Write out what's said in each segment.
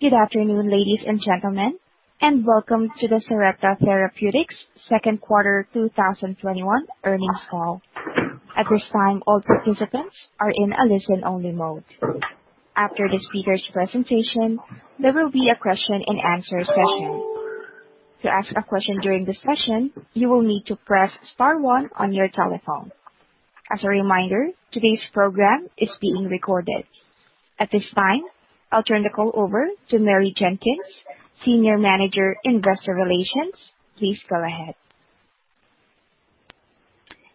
Good afternoon, ladies and gentlemen, and welcome to the Sarepta Therapeutics second quarter 2021 earnings call. At this time, all participants are in a listen-only mode. After the speakers' presentation, there will be a question-and-answer session. To ask a question during the session, you will need to press star one on your telephone. As a reminder, today's program is being recorded. At this time, I'll turn the call over to Mary Jenkins, Senior Manager, Investor Relations. Please go ahead.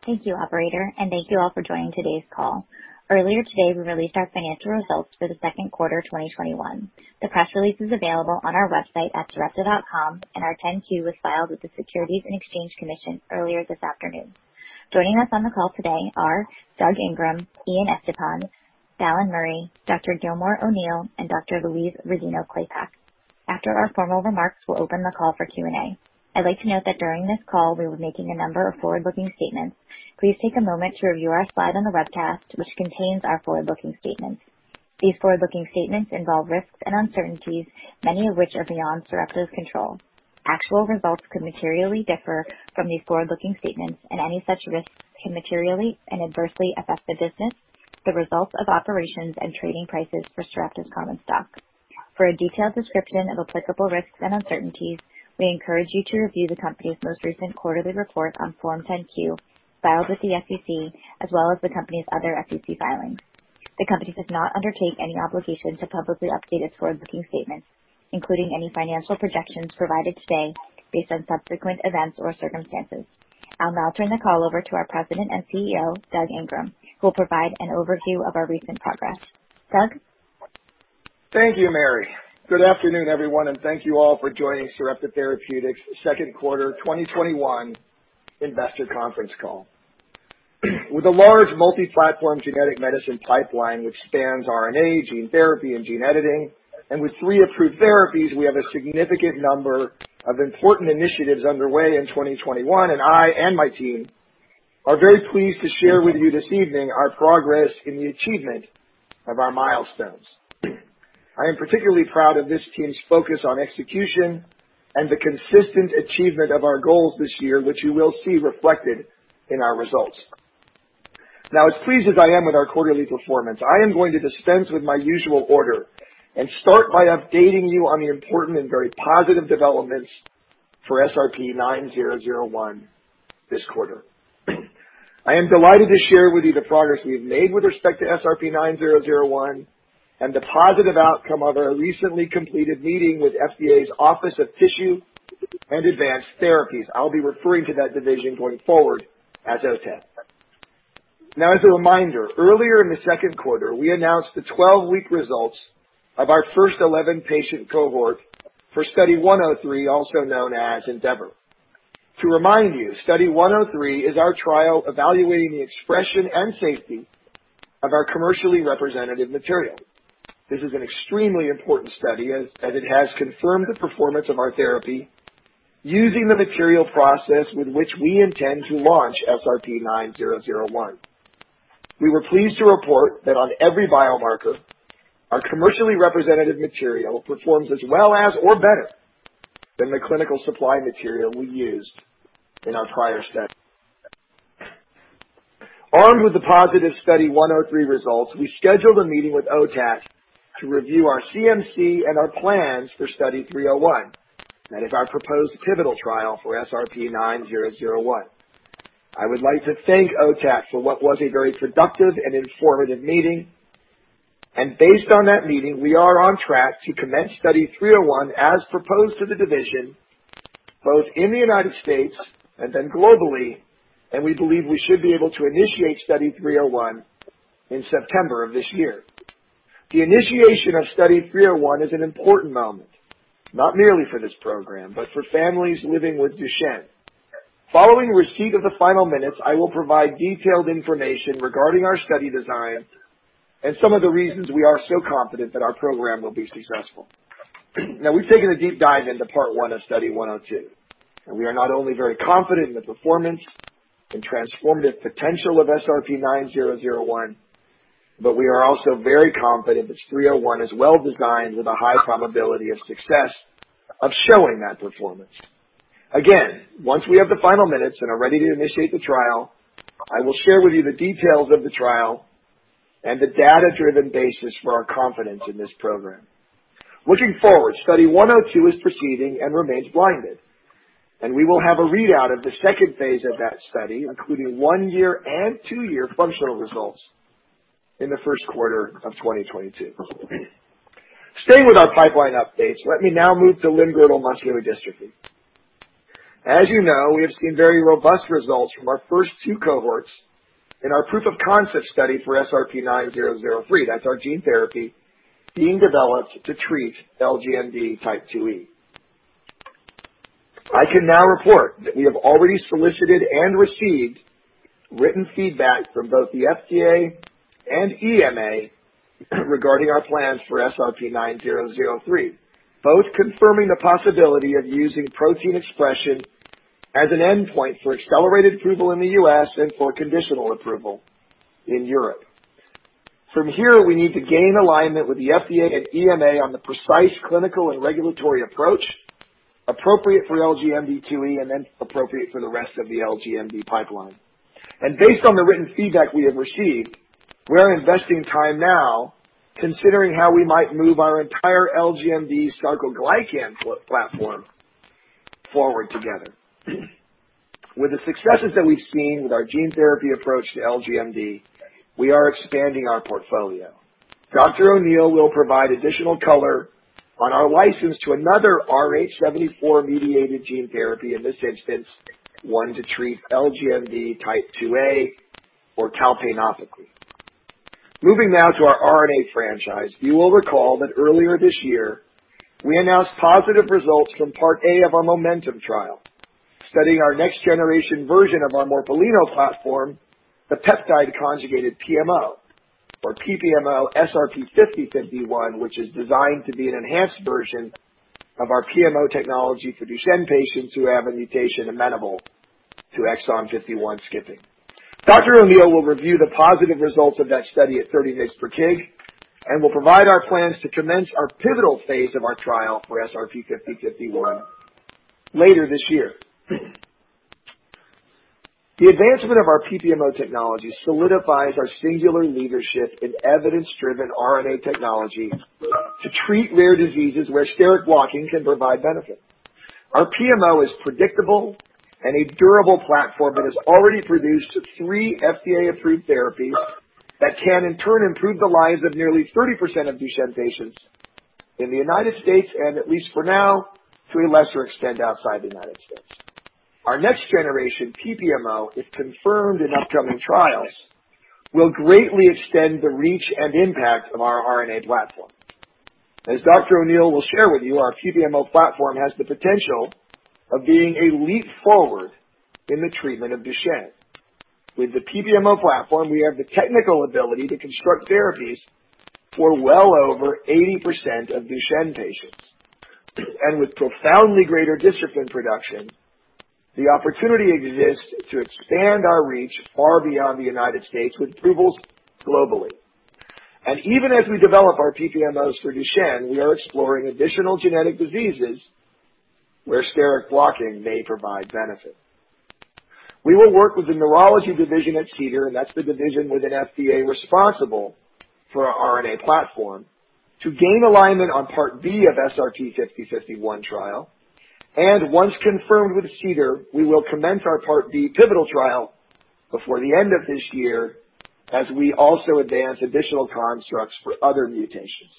Thank you, operator, and thank you all for joining today's call. Earlier today, we released our financial results for the second quarter 2021. The press release is available on our website at sarepta.com, and our 10-Q was filed with the Securities and Exchange Commission earlier this afternoon. Joining us on the call today are Doug Ingram, Ian Estepan, Dallan Murray, Dr. Gilmore O'Neill, and Dr. Louise Rodino-Klapac. After our formal remarks, we'll open the call for Q&A. I'd like to note that during this call, we'll be making a number of forward-looking statements. Please take a moment to review our slide on the webcast, which contains our forward-looking statements. These forward-looking statements involve risks and uncertainties, many of which are beyond Sarepta's control. Actual results could materially differ from these forward-looking statements, and any such risks can materially and adversely affect the business, the results of operations, and trading prices for Sarepta's common stock. For a detailed description of applicable risks and uncertainties, we encourage you to review the company's most recent quarterly report on Form 10-Q filed with the SEC, as well as the company's other SEC filings. The company does not undertake any obligation to publicly update its forward-looking statements, including any financial projections provided today based on subsequent events or circumstances. I'll now turn the call over to our President and CEO, Doug Ingram, who will provide an overview of our recent progress. Doug? Thank you, Mary. Good afternoon, everyone, and thank you all for joining Sarepta Therapeutics second quarter 2021 investor conference call. With a large multi-platform genetic medicine pipeline which spans RNA, gene therapy, and gene editing, with three approved therapies, we have a significant number of important initiatives underway in 2021, and I and my team are very pleased to share with you this evening our progress in the achievement of our milestones. I am particularly proud of this team's focus on execution and the consistent achievement of our goals this year, which you will see reflected in our results. Now, as pleased as I am with our quarterly performance, I am going to dispense with my usual order and start by updating you on the important and very positive developments for SRP-9001 this quarter. I am delighted to share with you the progress we've made with respect to SRP-9001 and the positive outcome of our recently completed meeting with FDA's Office of Tissues and Advanced Therapies. I'll be referring to that division going forward as OTAT. Now, as a reminder, earlier in the second quarter, we announced the 12-week results of our first 11-patient cohort for Study 103, also known as ENDEAVOR. To remind you, Study 103 is our trial evaluating the expression and safety of our commercially representative material. This is an extremely important study as it has confirmed the performance of our therapy using the material process with which we intend to launch SRP-9001. We were pleased to report that on every biomarker, our commercially representative material performs as well as or better than the clinical supply material we used in our prior study. Armed with the positive Study 103 results, we scheduled a meeting with OTAT to review our CMC and our plans for Study 301. That is our proposed pivotal trial for SRP-9001. I would like to thank OTAT for what was a very productive and informative meeting. Based on that meeting, we are on track to commence Study 301 as proposed to the division, both in the U.S. and then globally. We believe we should be able to initiate Study 301 in September of this year. The initiation of Study 301 is an important moment, not merely for this program, but for families living with Duchenne. Following receipt of the final minutes, I will provide detailed information regarding our study design and some of the reasons we are so confident that our program will be successful. Now, we've taken a deep dive into Part 1 of Study 102, and we are not only very confident in the performance and transformative potential of SRP-9001, but we are also very confident that Study 301 is well-designed with a high probability of success of showing that performance. Again, once we have the final minutes and are ready to initiate the trial, I will share with you the details of the trial and the data-driven basis for our confidence in this program. Looking forward, Study 102 is proceeding and remains blinded, and we will have a readout of the phase II of that study, including one year and two year functional results, in the first quarter of 2022. Staying with our pipeline updates, let me now move to limb-girdle muscular dystrophy. As you know, we have seen very robust results from our first two cohorts in our proof of concept study for SRP-9003. That's our gene therapy being developed to treat LGMD Type 2E. I can now report that we have already solicited and received written feedback from both the FDA and EMA regarding our plans for SRP-9003, both confirming the possibility of using protein expression as an endpoint for accelerated approval in the U.S. and for conditional approval in Europe. We need to gain alignment with the FDA and EMA on the precise clinical and regulatory approach appropriate for LGMD2E and then appropriate for the rest of the LGMD pipeline. Based on the written feedback we have received, we are investing time now considering how we might move our entire LGMD sarcoglycan platform forward together. With the successes that we've seen with our gene therapy approach to LGMD, we are expanding our portfolio. Dr. O'Neill will provide additional color on our license to another Rh74-mediated gene therapy, in this instance, one to treat LGMD type 2A or calpainopathy. Moving now to our RNA franchise. You will recall that earlier this year, we announced positive results from Part A of our MOMENTUM trial, studying our next generation version of our Morpholino platform, the peptide conjugated PMO, or PPMO-SRP-5051, which is designed to be an enhanced version of our PMO technology for Duchenne patients who have a mutation amenable to exon 51 skipping. Dr. O'Neill will review the positive results of that study at 30 mg/kg, and will provide our plans to commence our pivotal phase of our trial for SRP-5051 later this year. The advancement of our PPMO technology solidifies our singular leadership in evidence-driven RNA technology to treat rare diseases where steric blocking can provide benefit. Our PMO is predictable and a durable platform that has already produced three FDA-approved therapies that can in turn improve the lives of nearly 30% of Duchenne patients in the United States, and at least for now, to a lesser extent outside the United States. Our next generation PPMO, if confirmed in upcoming trials, will greatly extend the reach and impact of our RNA platform. As Dr. O'Neill will share with you, our PPMO platform has the potential of being a leap forward in the treatment of Duchenne. With the PPMO platform, we have the technical ability to construct therapies for well over 80% of Duchenne patients. With profoundly greater discipline production, the opportunity exists to expand our reach far beyond the United States with approvals globally. Even as we develop our PPMOs for Duchenne, we are exploring additional genetic diseases where steric blocking may provide benefit. We will work with the neurology division at CDER, and that's the division within FDA responsible for our RNA platform, to gain alignment on Part B of SRP-5051 trial. Once confirmed with CDER, we will commence our Part B pivotal trial before the end of this year as we also advance additional constructs for other mutations.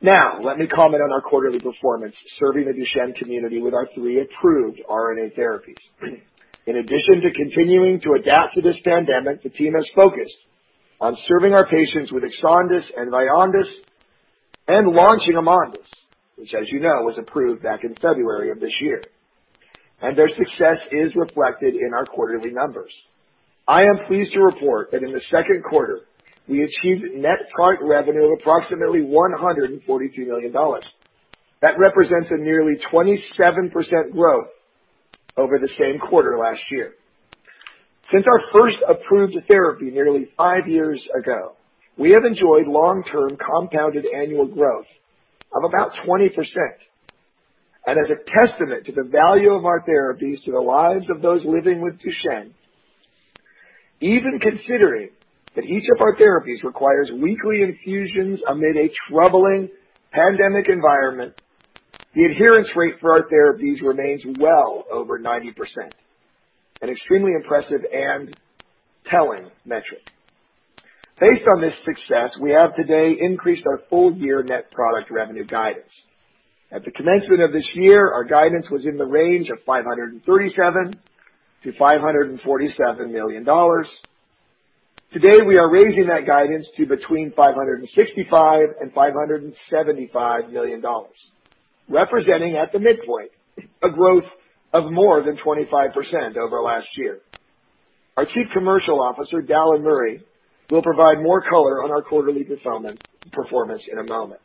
Let me comment on our quarterly performance, serving the Duchenne community with our three approved RNA therapies. In addition to continuing to adapt to this pandemic, the team has focused on serving our patients with EXONDYS and VYONDYS 53 and launching AMONDYS, which as you know, was approved back in February of this year. Their success is reflected in our quarterly numbers. I am pleased to report that in the second quarter, we achieved net product revenue of approximately $143 million. That represents a nearly 27% growth over the same quarter last year. Since our first approved therapy nearly five years ago, we have enjoyed long-term compounded annual growth of about 20%. As a testament to the value of our therapies to the lives of those living with Duchenne, even considering that each of our therapies requires weekly infusions amid a troubling pandemic environment, the adherence rate for our therapies remains well over 90%. An extremely impressive and telling metric. Based on this success, we have today increased our full-year net product revenue guidance. At the commencement of this year, our guidance was in the range of $537 million-$547 million. Today, we are raising that guidance to between $565 million and $575 million, representing at the midpoint, a growth of more than 25% over last year. Our Chief Commercial Officer, Dallan Murray, will provide more color on our quarterly performance in a moment.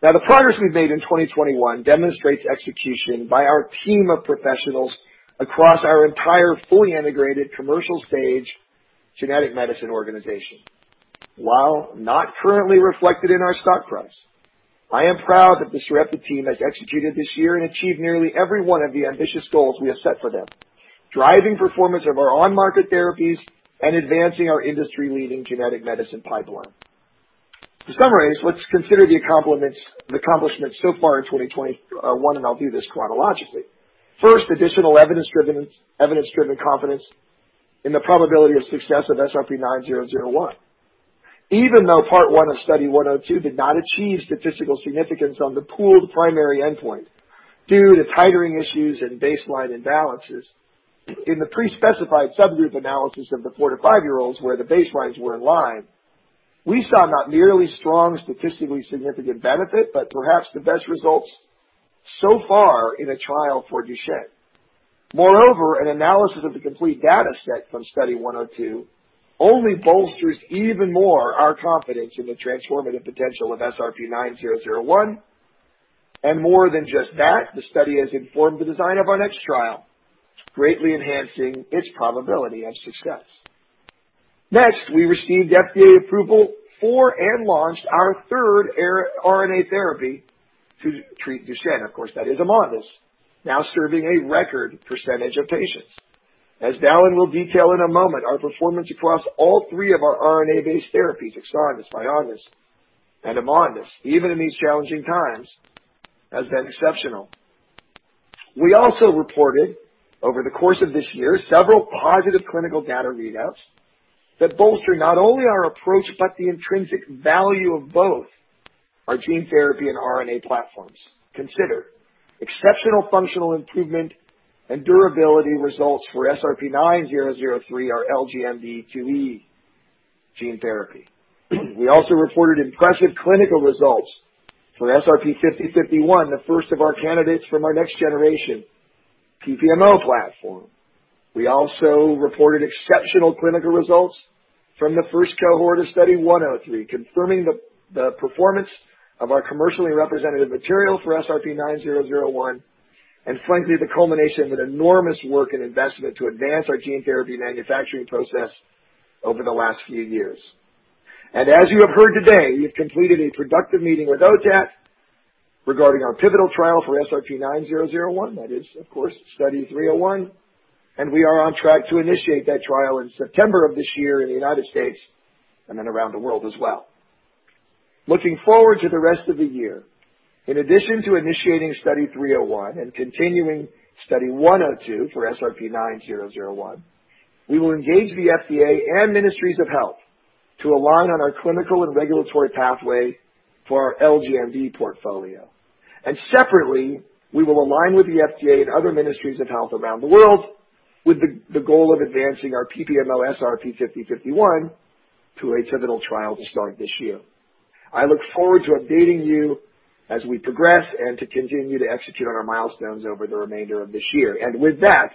The progress we've made in 2021 demonstrates execution by our team of professionals across our entire fully integrated commercial stage genetic medicine organization. While not currently reflected in our stock price, I am proud that the Sarepta team has executed this year and achieved nearly every one of the ambitious goals we have set for them, driving performance of our on-market therapies and advancing our industry-leading genetic medicine pipeline. To summarize, let's consider the accomplishments so far in 2021. I'll do this chronologically. First, additional evidence-driven confidence in the probability of success of SRP-9001. Even though Part 1 of Study 102 did not achieve statistical significance on the pooled primary endpoint due to titering issues and baseline imbalances, in the pre-specified subgroup analysis of the four to five-year-olds where the baselines were in line, we saw not merely strong statistically significant benefit, but perhaps the best results so far in a trial for Duchenne. Moreover, an analysis of the complete data set from Study 102 only bolsters even more our confidence in the transformative potential of SRP-9001. More than just that, the study has informed the design of our next trial, greatly enhancing its probability of success. Next, we received FDA approval for and launched our third RNA therapy to treat Duchenne. Of course, that is AMONDYS, now serving a record percentage of patients. As Dallan will detail in a moment, our performance across all three of our RNA-based therapies, EXONDYS, VYONDYS, and AMONDYS, even in these challenging times, has been exceptional. We also reported, over the course of this year, several positive clinical data readouts that bolster not only our approach but the intrinsic value of both our gene therapy and RNA platforms. Consider exceptional functional improvement and durability results for SRP-9003, our LGMD2E gene therapy. We also reported impressive clinical results for SRP-5051, the first of our candidates from our next-generation PPMO platform. We also reported exceptional clinical results from the first cohort of Study 103, confirming the performance of our commercially representative material for SRP-9001, and frankly, the culmination of an enormous work and investment to advance our gene therapy manufacturing process over the last few years. As you have heard today, we've completed a productive meeting with OTAT regarding our pivotal trial for SRP-9001. That is, of course, Study 301. We are on track to initiate that trial in September of this year in the United States and around the world as well. Looking forward to the rest of the year, in addition to initiating Study 301 and continuing Study 102 for SRP-9001, we will engage the FDA and ministries of health to align on our clinical and regulatory pathway for our LGMD portfolio. Separately, we will align with the FDA and other ministries of health around the world with the goal of advancing our PPMO, SRP-5051, to a pivotal trial to start this year. I look forward to updating you as we progress and to continue to execute on our milestones over the remainder of this year. With that,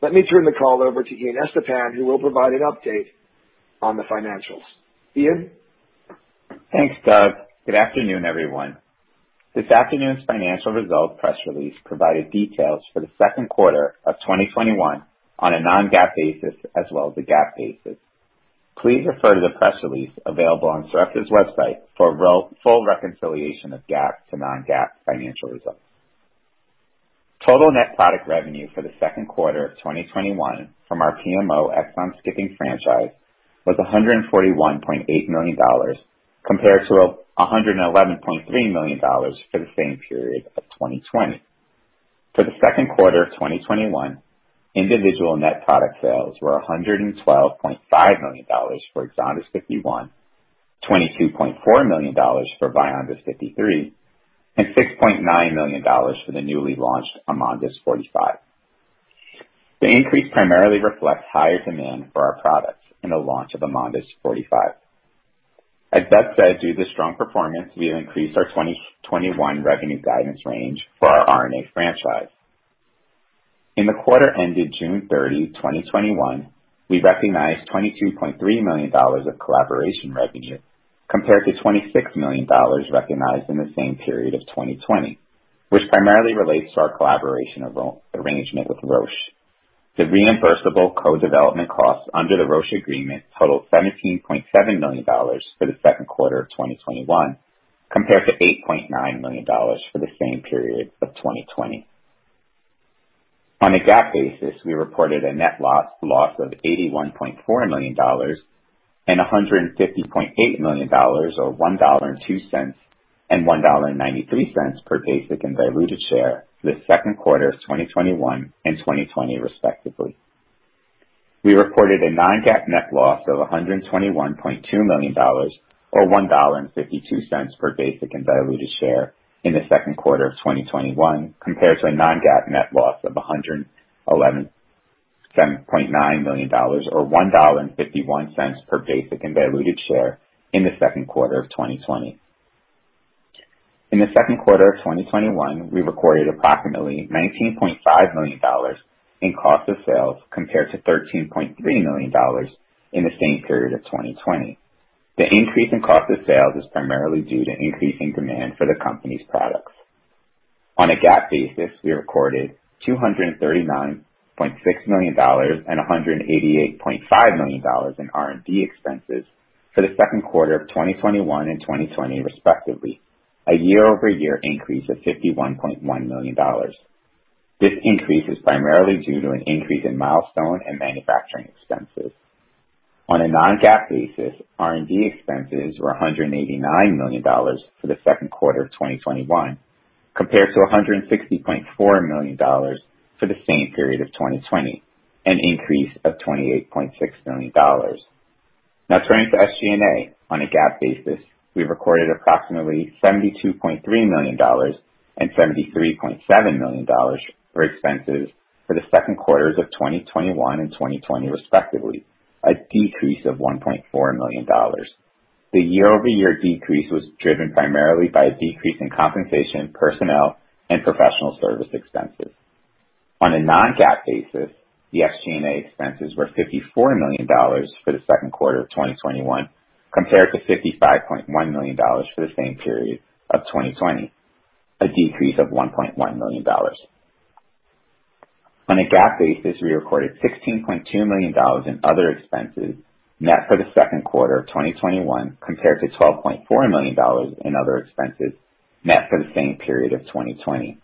let me turn the call over to Ian Estepan, who will provide an update on the financials. Ian? Thanks, Doug. Good afternoon, everyone. This afternoon's financial results press release provided details for the second quarter of 2021 on a non-GAAP basis as well as a GAAP basis. Please refer to the press release available on Sarepta's website for full reconciliation of GAAP to non-GAAP financial results. Total net product revenue for the second quarter of 2021 from our PMO exon-skipping franchise was $141.8 million compared to $111.3 million for the same period of 2020. For the second quarter of 2021, individual net product sales were $112.5 million for EXONDYS 51, $22.4 million for VYONDYS 53, and $6.9 million for the newly launched AMONDYS 45. The increase primarily reflects higher demand for our products and the launch of AMONDYS 45. As Doug said, due to strong performance, we have increased our 2021 revenue guidance range for our RNA franchise. In the quarter ended June 30, 2021, we recognized $22.3 million of collaboration revenue compared to $26 million recognized in the same period of 2020, which primarily relates to our collaboration arrangement with Roche. The reimbursable co-development costs under the Roche agreement totaled $17.7 million for the second quarter of 2021 compared to $8.9 million for the same period of 2020. On a GAAP basis, we reported a net loss of $81.4 million and $150.8 million or $1.02 and $1.93 per basic and diluted share this second quarter of 2021 and 2020 respectively. We reported a non-GAAP net loss of $121.2 million or $1.52 per basic and diluted share in the second quarter of 2021, compared to a non-GAAP net loss of $111.9 million or $1.51 per basic and diluted share in the second quarter of 2020. In the second quarter of 2021, we recorded approximately $19.5 million in cost of sales compared to $13.3 million in the same period of 2020. The increase in cost of sales is primarily due to increasing demand for the company's products. On a GAAP basis, we recorded $239.6 million and $188.5 million in R&D expenses for the second quarter of 2021 and 2020 respectively, a year-over-year increase of $51.1 million. This increase is primarily due to an increase in milestone and manufacturing expenses. On a non-GAAP basis, R&D expenses were $189 million for the second quarter of 2021 compared to $160.4 million for the same period of 2020, an increase of $28.6 million. Now turning to SG&A on a GAAP basis. We recorded approximately $72.3 million and $73.7 million for expenses for the second quarters of 2021 and 2020 respectively, a decrease of $1.4 million. The year-over-year decrease was driven primarily by a decrease in compensation, personnel, and professional service expenses. On a non-GAAP basis, the SG&A expenses were $54 million for the second quarter of 2021, compared to $55.1 million for the same period of 2020, a decrease of $1.1 million. On a GAAP basis, we recorded $16.2 million in other expenses net for the second quarter of 2021, compared to $12.4 million in other expenses net for the same period of 2020.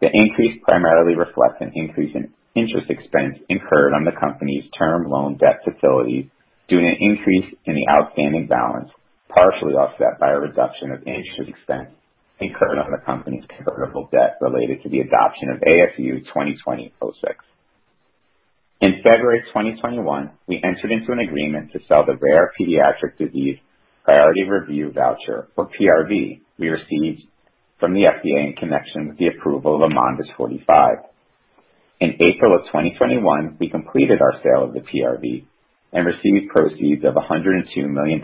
The increase primarily reflects an increase in interest expense incurred on the company's term loan debt facility due to an increase in the outstanding balance, partially offset by a reduction of interest expense incurred on the company's convertible debt related to the adoption of ASU 2020-06. In February 2021, we entered into an agreement to sell the rare pediatric disease priority review voucher or PRV we received from the FDA in connection with the approval of AMONDYS 45. In April of 2021, we completed our sale of the PRV and received proceeds of $102 million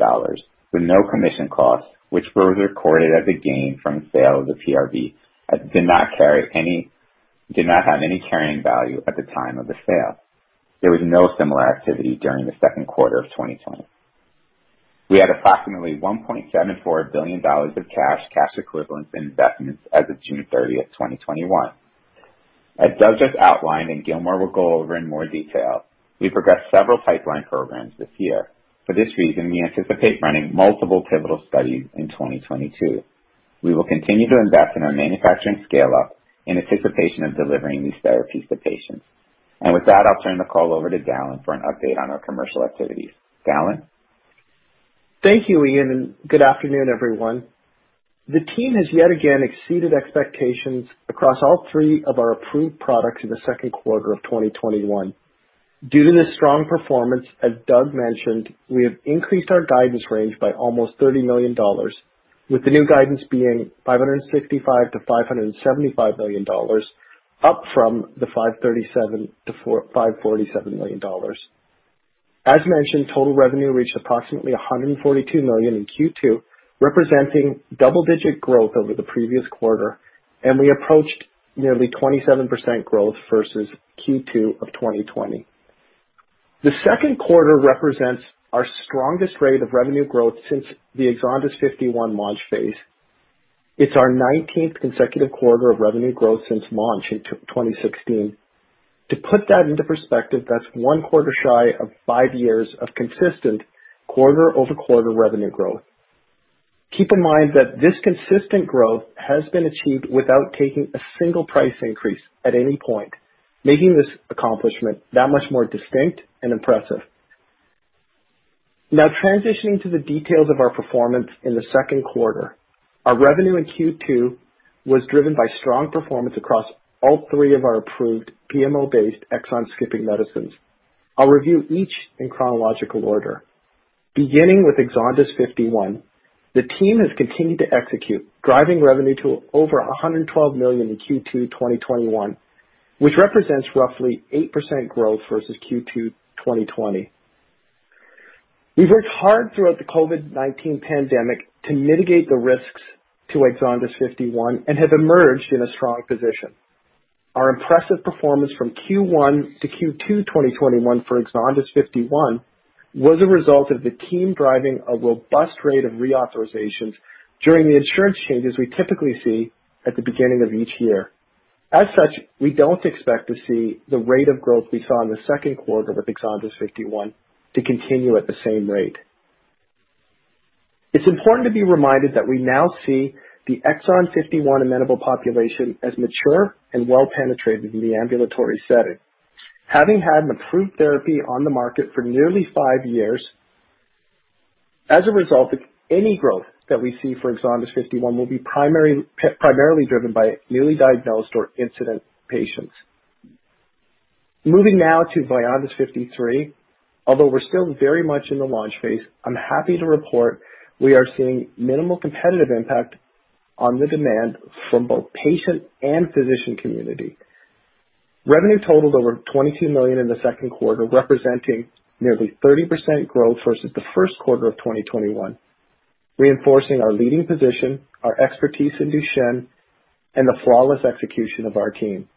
with no commission cost, which were recorded as a gain from the sale of the PRV, did not have any carrying value at the time of the sale. There was no similar activity during the second quarter of 2020. We had approximately $1.74 billion of cash equivalents, and investments as of June 30th, 2021. As Doug just outlined, and Gilmore will go over in more detail, we progressed several pipeline programs this year. For this reason, we anticipate running multiple pivotal studies in 2022. We will continue to invest in our manufacturing scale-up in anticipation of delivering these therapies to patients. With that, I'll turn the call over to Dallan for an update on our commercial activities. Dallan? Thank you, Ian, and good afternoon, everyone. The team has yet again exceeded expectations across all three of our approved products in the second quarter of 2021. Due to this strong performance, as Doug mentioned, we have increased our guidance range by almost $30 million, with the new guidance being $565 million-$575 million, up from the $537 million-$547 million. As mentioned, total revenue reached approximately $142 million in Q2, representing double-digit growth over the previous quarter, and we approached nearly 27% growth versus Q2 of 2020. The second quarter represents our strongest rate of revenue growth since the EXONDYS 51 launch phase. It's our 19th consecutive quarter of revenue growth since launch in 2016. To put that into perspective, that's one quarter shy of five years of consistent quarter-over-quarter revenue growth. Keep in mind that this consistent growth has been achieved without taking a single price increase at any point, making this accomplishment that much more distinct and impressive. Transitioning to the details of our performance in the second quarter. Our revenue in Q2 was driven by strong performance across all three of our approved PMO-based exon-skipping medicines. I'll review each in chronological order. Beginning with EXONDYS 51, the team has continued to execute, driving revenue to over $112 million in Q2 2021, which represents roughly 8% growth versus Q2 2020. We've worked hard throughout the COVID-19 pandemic to mitigate the risks to EXONDYS 51 and have emerged in a strong position. Our impressive performance from Q1 to Q2 2021 for EXONDYS 51 was a result of the team driving a robust rate of reauthorizations during the insurance changes we typically see at the beginning of each year. We don't expect to see the rate of growth we saw in the second quarter with EXONDYS 51 to continue at the same rate. It's important to be reminded that we now see the exon 51 amenable population as mature and well penetrated in the ambulatory setting, having had an approved therapy on the market for nearly five years. Any growth that we see for EXONDYS 51 will be primarily driven by newly diagnosed or incident patients. Moving now to VYONDYS 53. We're still very much in the launch phase, I'm happy to report we are seeing minimal competitive impact on the demand from both patient and physician community. Revenue totaled over $22 million in the second quarter, representing nearly 30% growth versus the first quarter of 2021, reinforcing our leading position, our expertise in Duchenne, and the flawless execution of our team.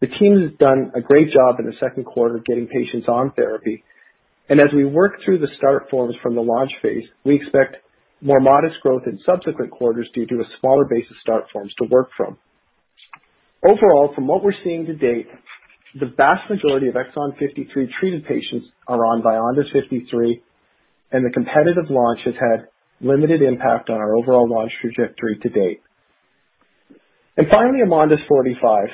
The team has done a great job in the second quarter getting patients on therapy, and as we work through the start forms from the launch phase, we expect more modest growth in subsequent quarters due to a smaller base of start forms to work from. Overall, from what we're seeing to date, the vast majority of exon 53 treated patients are on VYONDYS 53, and the competitive launch has had limited impact on our overall launch trajectory to date. Finally, AMONDYS 45.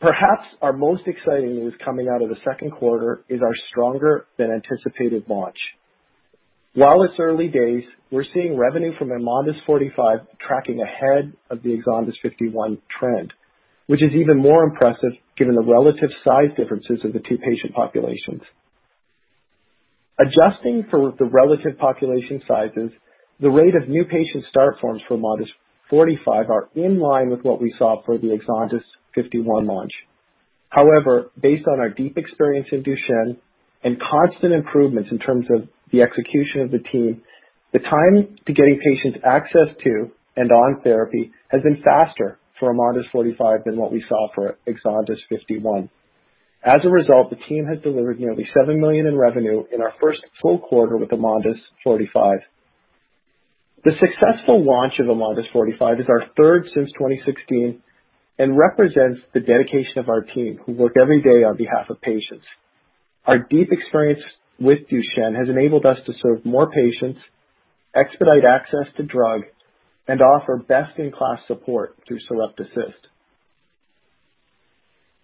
Perhaps our most exciting news coming out of the second quarter is our stronger than anticipated launch. While it's early days, we're seeing revenue from AMONDYS 45 tracking ahead of the EXONDYS 51 trend, which is even more impressive given the relative size differences of the two patient populations. Adjusting for the relative population sizes, the rate of new patient start forms for AMONDYS 45 are in line with what we saw for the EXONDYS 51 launch. However, based on our deep experience in Duchenne and constant improvements in terms of the execution of the team, the time to getting patients access to and on therapy has been faster for AMONDYS 45 than what we saw for EXONDYS 51. As a result, the team has delivered nearly $7 million in revenue in our first full quarter with AMONDYS 45. The successful launch of AMONDYS 45 is our third since 2016 and represents the dedication of our team, who work every day on behalf of patients. Our deep experience with Duchenne has enabled us to serve more patients, expedite access to drug, and offer best-in-class support through SareptAssist.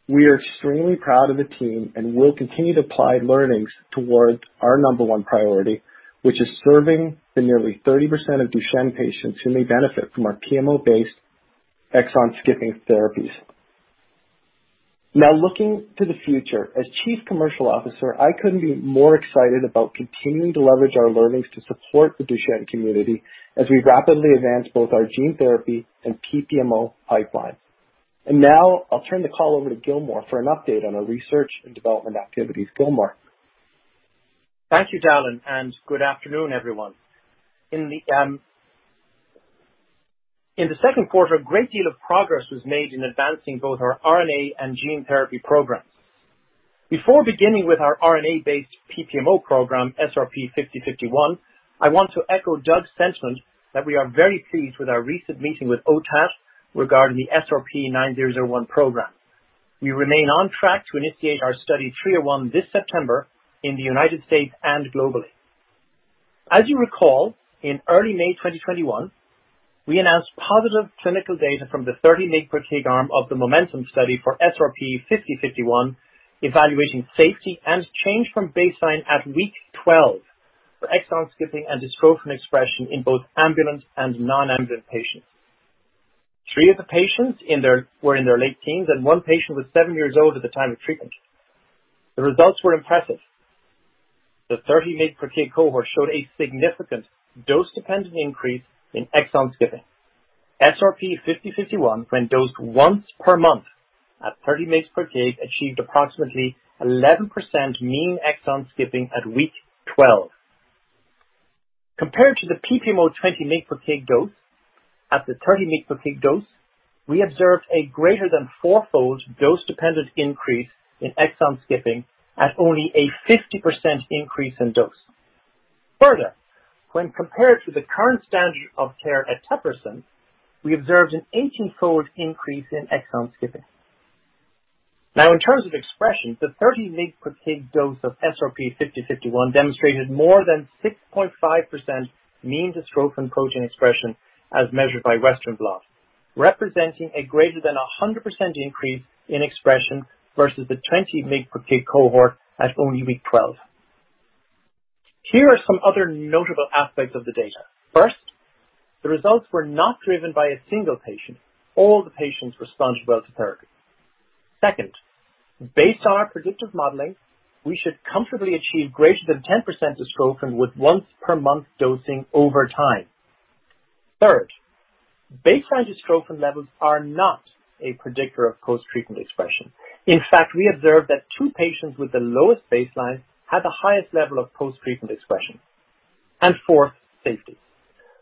We are extremely proud of the team and will continue to apply learnings towards our number one priority, which is serving the nearly 30% of Duchenne patients who may benefit from our PMO-based exon-skipping therapies. Now, looking to the future, as chief commercial officer, I couldn't be more excited about continuing to leverage our learnings to support the Duchenne community as we rapidly advance both our gene therapy and PPMO pipeline. Now, I'll turn the call over to Gilmore for an update on our research and development activities. Gilmore? Thank you, Dallan, good afternoon, everyone. In the second quarter, a great deal of progress was made in advancing both our RNA and gene therapy programs. Before beginning with our RNA-based PPMO program, SRP-5051, I want to echo Doug's sentiment that we are very pleased with our recent meeting with OTAT regarding the SRP-9001 program. We remain on track to initiate our Study 301 this September in the U.S. and globally. You recall, in early May 2021, we announced positive clinical data from the 30 mg/kg arm of the MOMENTUM study for SRP-5051, evaluating safety and change from baseline at week 12 for exon skipping and dystrophin expression in both ambulant and non-ambulant patients. Three of the patients were in their late teens, and one patient was seven years old at the time of treatment. The results were impressive. The 30 mg/kg cohort showed a significant dose-dependent increase in exon skipping. SRP-5051, when dosed once per month at 30 mg/kg, achieved approximately 11% mean exon skipping at week 12. Compared to the PPMO 20 mg/kg dose, at the 30 mg/kg dose, we observed a greater than four-fold dose-dependent increase in exon skipping at only a 50% increase in dose. When compared to the current standard of care at eteplirsen, we observed an 18-fold increase in exon skipping. In terms of expression, the 30 mg/kg dose of SRP-5051 demonstrated more than 6.5% mean dystrophin protein expression as measured by Western blot, representing a greater than 100% increase in expression versus the 20 mg/kg cohort at only week 12. Here are some other notable aspects of the data. First, the results were not driven by a single patient. All the patients responded well to therapy. Second, based on our predictive modeling, we should comfortably achieve greater than 10% dystrophin with once per month dosing over time. Third, baseline dystrophin levels are not a predictor of post-treatment expression. In fact, we observed that two patients with the lowest baseline had the highest level of post-treatment expression. Fourth, safety.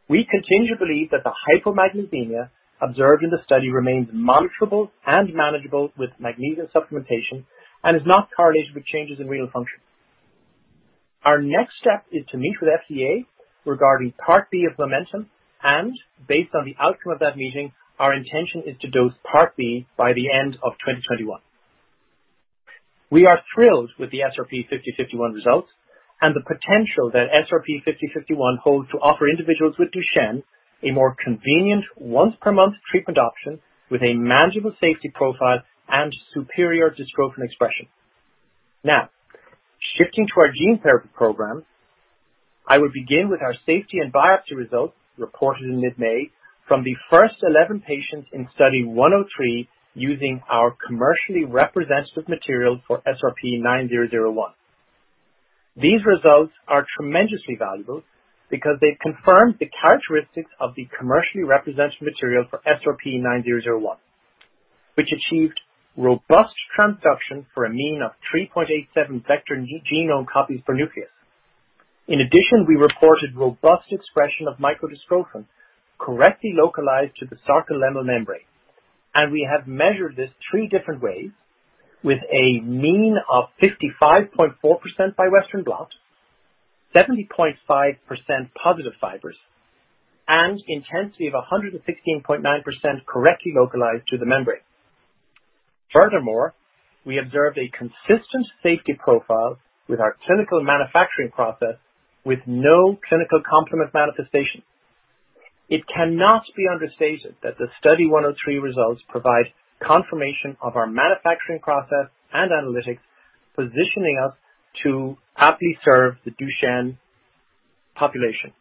We continue to believe that the hypomagnesemia observed in the study remains monitorable and manageable with magnesium supplementation and is not correlated with changes in renal function. Our next step is to meet with FDA regarding Part B of MOMENTUM, and based on the outcome of that meeting, our intention is to dose Part B by the end of 2021. We are thrilled with the SRP-5051 results and the potential that SRP-5051 holds to offer individuals with Duchenne a more convenient once per month treatment option with a manageable safety profile and superior dystrophin expression. Shifting to our gene therapy program, I will begin with our safety and biopsy results reported in mid-May from the first 11 patients in Study 103 using our commercially representative material for SRP-9001. These results are tremendously valuable because they've confirmed the characteristics of the commercially representative material for SRP-9001, which achieved robust transduction for a mean of 3.87 vector genome copies per nucleus. We reported robust expression of microdystrophin correctly localized to the sarcolemmal membrane, and we have measured this three different ways with a mean of 55.4% by Western blot, 70.5% positive fibers, and intensity of 116.9% correctly localized to the membrane. Furthermore, we observed a consistent safety profile with our clinical manufacturing process with no clinical complement manifestation. It cannot be understated that the Study 103 results provide confirmation of our manufacturing process and analytics, positioning us to aptly serve the Duchenne population.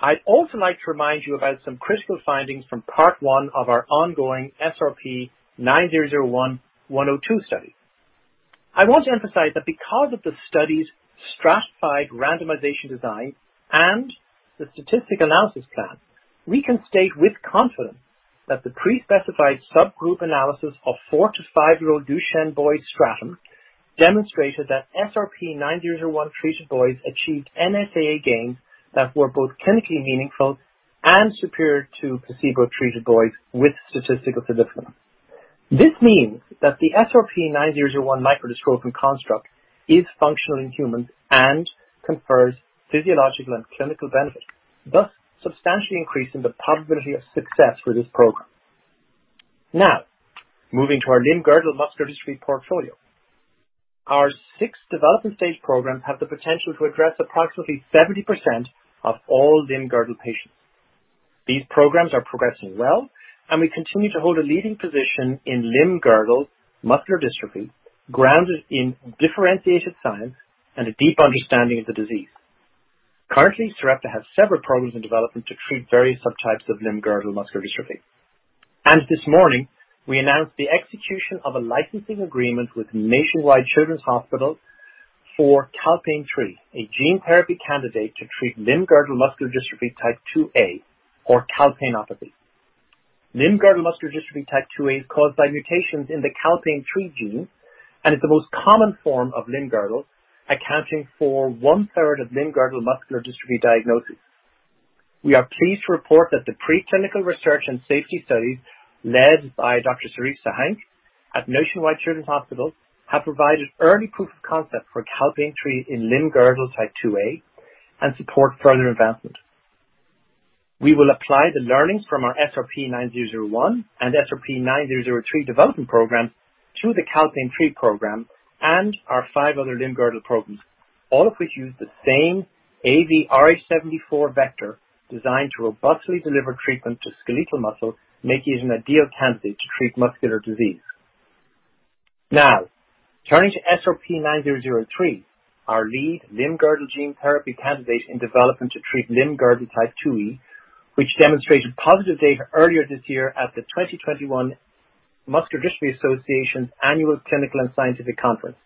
I'd also like to remind you about some critical findings from Part 1 of our ongoing SRP-9001/Study 102 study. I want to emphasize that because of the study's stratified randomization design and the statistical analysis plan, we can state with confidence that the pre-specified subgroup analysis of four to five-year-old Duchenne boys' stratum demonstrated that SRP-9001 treated boys achieved NSAA gains that were both clinically meaningful and superior to placebo-treated boys with statistical significance. This means that the SRP-9001 microdystrophin construct is functional in humans and confers physiological and clinical benefit, thus substantially increasing the probability of success for this program. Moving to our limb-girdle muscular dystrophy portfolio. Our six development stage programs have the potential to address approximately 70% of all limb-girdle patients. These programs are progressing well, and we continue to hold a leading position in limb-girdle muscular dystrophy, grounded in differentiated science and a deep understanding of the disease. Currently, Sarepta has several programs in development to treat various subtypes of limb-girdle muscular dystrophy. This morning, we announced the execution of a licensing agreement with Nationwide Children's Hospital for calpain-3, a gene therapy candidate to treat limb-girdle muscular dystrophy type 2A, or calpainopathy. Limb-girdle muscular dystrophy type 2A is caused by mutations in the calpain 3 gene, and is the most common form of limb-girdle, accounting for one-third of limb-girdle muscular dystrophy diagnoses. We are pleased to report that the preclinical research and safety studies led by Dr. Zarife Sahenk at Nationwide Children's Hospital have provided early proof of concept for calpain-3 in limb-girdle type 2A and support further advancement. We will apply the learnings from our SRP-9001 and SRP-9003 development program to the calpain-3 program and our five other limb-girdle programs, all of which use the same AAVrh74 vector designed to robustly deliver treatment to skeletal muscle, making it an ideal candidate to treat muscular disease. Turning to SRP-9003, our lead limb-girdle gene therapy candidate in development to treat limb-girdle type 2E, which demonstrated positive data earlier this year at the 2021 Muscular Dystrophy Association's Annual Clinical and Scientific Conference.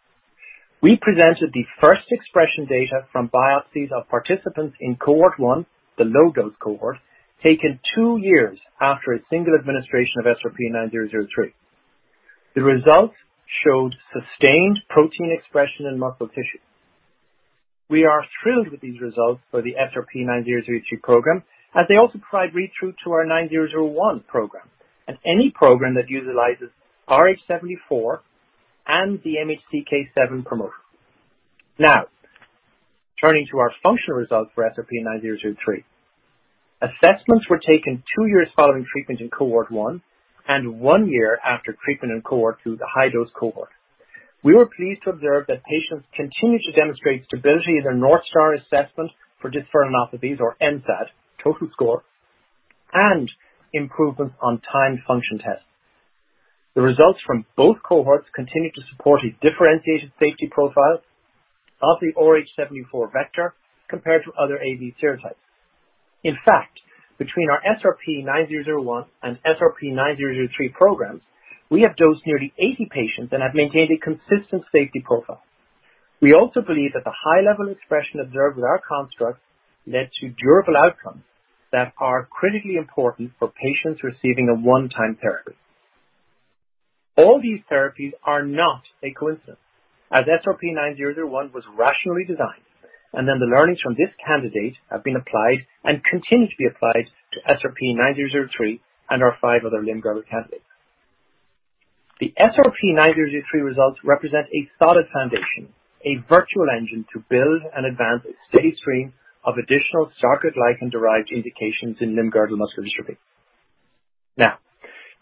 We presented the first expression data from biopsies of participants in cohort 1, the low-dose cohort, taken two years after a single administration of SRP-9003. The results showed sustained protein expression in muscle tissue. We are thrilled with these results for the SRP-9003 program, as they also provide read-through to our SRP-9001 program and any program that utilizes RH74 and the MHCK7 promoter. Turning to our functional results for SRP-9003. Assessments were taken two years following treatment in cohort 1 and one year after treatment in cohort 2, the high-dose cohort. We were pleased to observe that patients continued to demonstrate stability in their North Star Ambulatory Assessment, or NSAA, total score and improvements on timed function tests. The results from both cohorts continue to support a differentiated safety profile of the RH74 vector compared to other AAV serotypes. Between our SRP-9001 and SRP-9003 programs, we have dosed nearly 80 patients and have maintained a consistent safety profile. We also believe that the high level expression observed with our construct led to durable outcomes that are critically important for patients receiving a one-time therapy. All these therapies are not a coincidence, as SRP-9001 was rationally designed, and then the learnings from this candidate have been applied and continue to be applied to SRP-9003 and our five other limb-girdle candidates. The SRP-9003 results represent a solid foundation, a virtual engine to build and advance a steady stream of additional sarcoglycan-derived indications in limb-girdle muscular dystrophy. Now,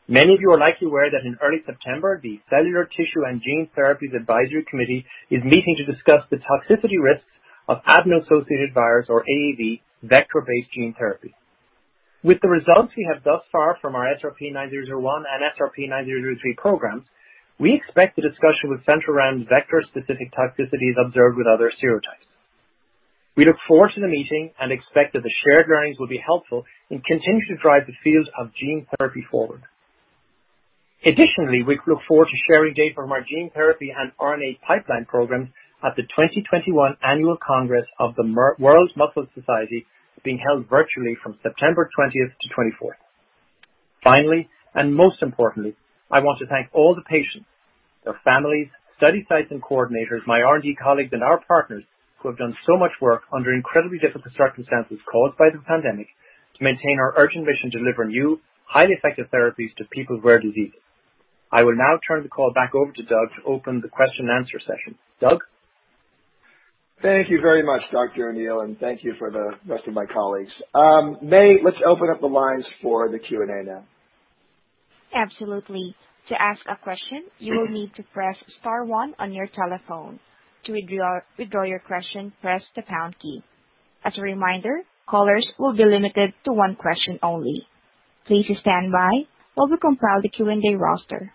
many of you are likely aware that in early September, the Cellular, Tissue, and Gene Therapies Advisory Committee is meeting to discuss the toxicity risks of adeno-associated virus, or AAV, vector-based gene therapy. With the results we have thus far from our SRP-9001 and SRP-9003 programs, we expect the discussion will center around vector-specific toxicities observed with other serotypes. We look forward to the meeting and expect that the shared learnings will be helpful and continue to drive the field of gene therapy forward. Additionally, we look forward to sharing data from our gene therapy and RNA pipeline programs at the 2021 Annual Congress of the World Muscle Society, being held virtually from September 20-24. Finally, and most importantly, I want to thank all the patients, their families, study sites and coordinators, my R&D colleagues, and our partners who have done so much work under incredibly difficult circumstances caused by the pandemic to maintain our urgent mission to deliver new, highly effective therapies to people with rare diseases. I will now turn the call back over to Doug to open the question and answer session. Doug? Thank you very much, Dr. O'Neill, and thank you for the rest of my colleagues. May, let's open up the lines for the Q&A now. Absolutely, to ask a question you'll need to press star one on your telephone, to withdraw your question press the pound key. As a reminder callers will be limited to one question only. Please stand by as we compile the Q&A roster.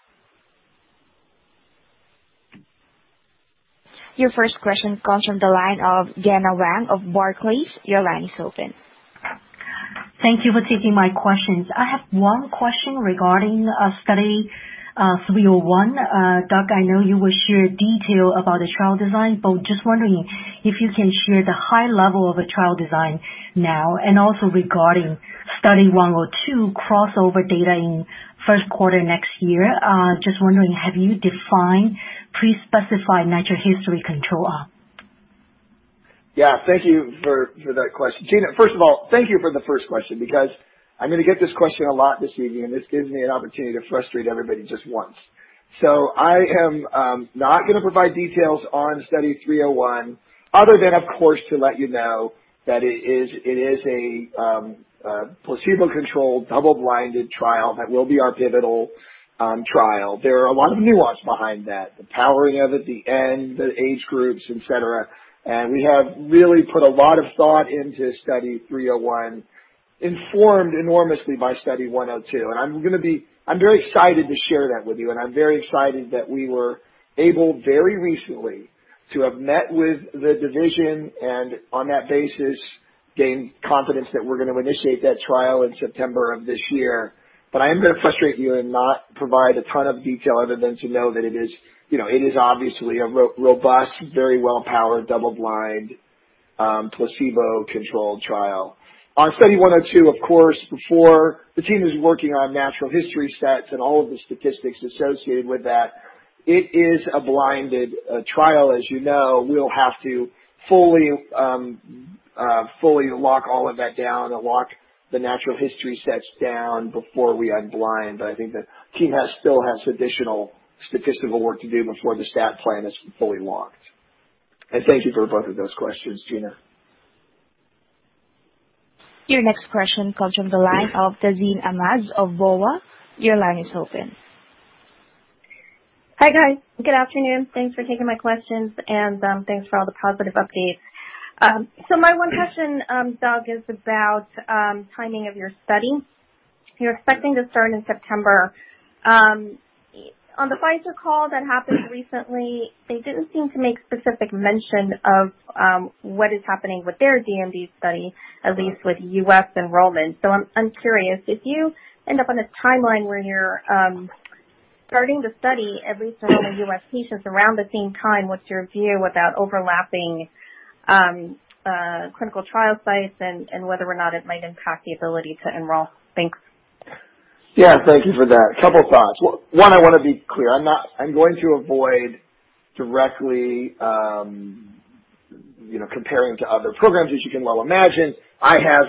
Your first question comes from the line of Gena Wang of Barclays. Your line is open. Thank you for taking my questions. I have one question regarding Study 301. Doug, I know you will share detail about the trial design, just wondering if you can share the high level of a trial design now, and also regarding Study 102 crossover data in first quarter next year. Just wondering, have you defined pre-specified natural history control? Yeah. Thank you for that question. Gena, first of all, thank you for the first question, because I'm going to get this question a lot this week, and this gives me an opportunity to frustrate everybody just once. I am not going to provide details on Study 301 other than, of course, to let you know that it is a placebo-controlled, double-blinded trial that will be our pivotal trial. There are a lot of nuance behind that, the powering of it, the end, the age groups, et cetera. We have really put a lot of thought into Study 301, informed enormously by Study 102. I'm very excited to share that with you, and I'm very excited that we were able, very recently, to have met with the division and on that basis, gain confidence that we're going to initiate that trial in September of this year. I am going to frustrate you and not provide a ton of detail other than to know that it is obviously a robust, very well-powered, double-blind, placebo-controlled trial. On Study 102, of course, the team is working on natural history sets and all of the statistics associated with that. It is a blinded trial, as you know. We'll have to fully lock all of that down and lock the natural history sets down before we unblind. I think the team still has additional statistical work to do before the stat plan is fully locked. Thank you for both of those questions, Gena. Your next question comes from the line of Tazeen Ahmad of BofA. Your line is open. Hi, guys. Good afternoon. Thanks for taking my questions, and thanks for all the positive updates. My one question, Doug, is about timing of your study. You're expecting to start in September. On the Pfizer call that happened recently, they didn't seem to make specific mention of what is happening with their DMD study, at least with U.S. enrollment. I'm curious, if you end up on a timeline where you're starting the study, every time the U.S. patients around the same time, what's your view about overlapping clinical trial sites and whether or not it might impact the ability to enroll? Thanks. Thank you for that. Couple thoughts. One, I want to be clear. I'm going to avoid directly comparing to other programs. As you can well imagine, I have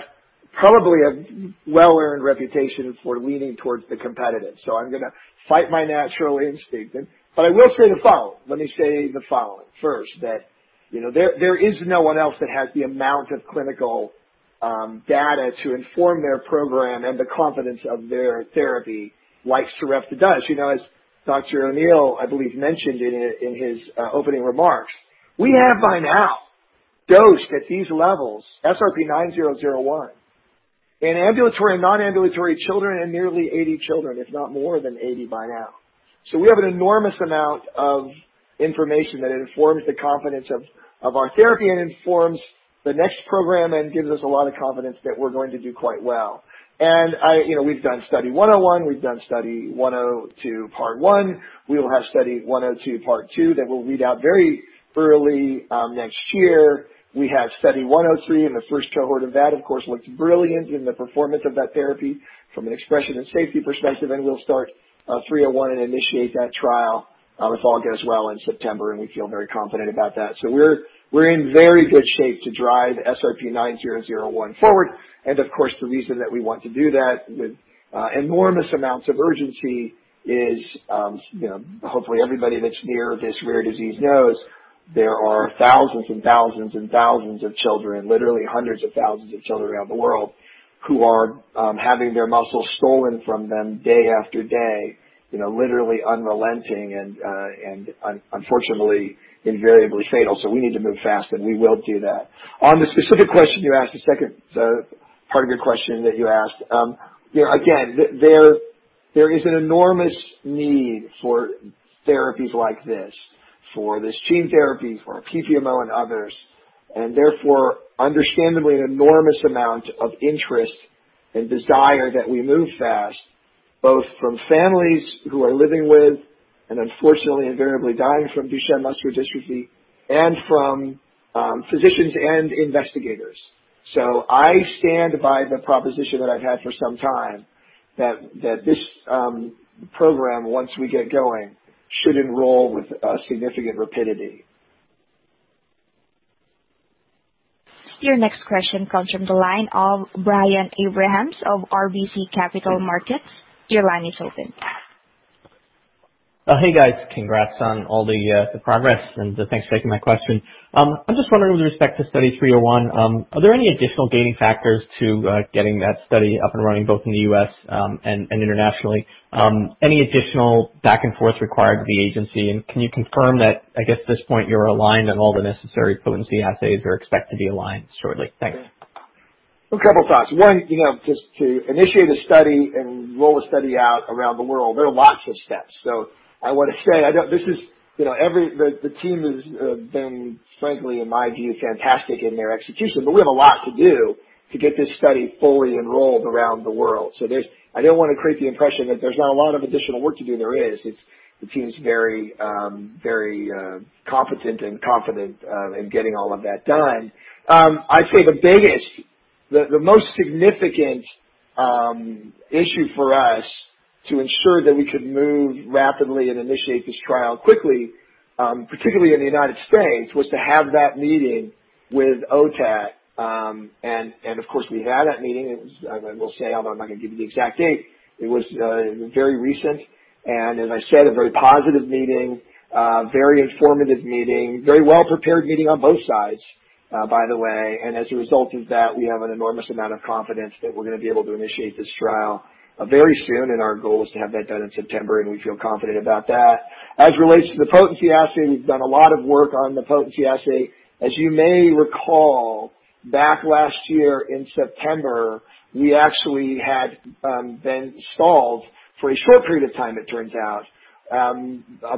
probably a well-earned reputation for leaning towards the competitive. I'm going to fight my natural instinct. I will say the following. Let me say the following. First, that there is no one else that has the amount of clinical data to inform their program and the confidence of their therapy like Sarepta does. As Dr. O'Neill, I believe, mentioned in his opening remarks, we have by now dosed at these levels, SRP-9001, in ambulatory and non-ambulatory children in nearly 80 children, if not more than 80 by now. We have an enormous amount of information that informs the confidence of our therapy and informs the next program and gives us a lot of confidence that we're going to do quite well. We've done Study 101, we've done Study 102, Part 1. We will have Study 102, Part 2, that will read out very early next year. We have Study 103, and the first cohort of that, of course, looks brilliant in the performance of that therapy from an expression and safety perspective, and we'll start 301 and initiate that trial, if all goes well, in September, and we feel very confident about that. We're in very good shape to drive SRP-9001 forward. Of course, the reason that we want to do that with enormous amounts of urgency is, hopefully everybody that's near this rare disease knows there are thousands and thousands and thousands of children, literally hundreds of thousands of children around the world, who are having their muscles stolen from them day after day, literally unrelenting and unfortunately invariably fatal. We need to move fast, and we will do that. On the specific question you asked, the second part of your question that you asked. Again, there is an enormous need for therapies like this, for this gene therapy, for PMO and others, and therefore, understandably, an enormous amount of interest and desire that we move fast, both from families who are living with and unfortunately invariably dying from Duchenne muscular dystrophy, and from physicians and investigators. I stand by the proposition that I've had for some time that this program, once we get going, should enroll with a significant rapidity. Your next question comes from the line of Brian Abrahams of RBC Capital Markets. Your line is open. Hey, guys. Congrats on all the progress, and thanks for taking my question. I'm just wondering with respect to Study 301, are there any additional gating factors to getting that study up and running, both in the U.S. and internationally? Any additional back and forth required with the agency? Can you confirm that, I guess, at this point, you're aligned on all the necessary potency assays or expect to be aligned shortly? Thanks. A couple thoughts. One, just to initiate a study and roll a study out around the world, there are lots of steps. I want to say the team has been, frankly, in my view, fantastic in their execution, but we have a lot to do to get this study fully enrolled around the world. I don't want to create the impression that there's not a lot of additional work to do. There is. The team's very competent and confident in getting all of that done. I'd say the most significant issue for us to ensure that we could move rapidly and initiate this trial quickly, particularly in the U.S., was to have that meeting with OTAT. Of course, we had that meeting, I will say, although I'm not going to give you the exact date, it was very recent, as I said, a very positive meeting, very informative meeting. Very well-prepared meeting on both sides, by the way. As a result of that, we have an enormous amount of confidence that we're going to be able to initiate this trial very soon, our goal is to have that done in September, and we feel confident about that. As it relates to the potency assay, we've done a lot of work on the potency assay. As you may recall, back last year in September, we actually had been stalled for a short period of time it turns out,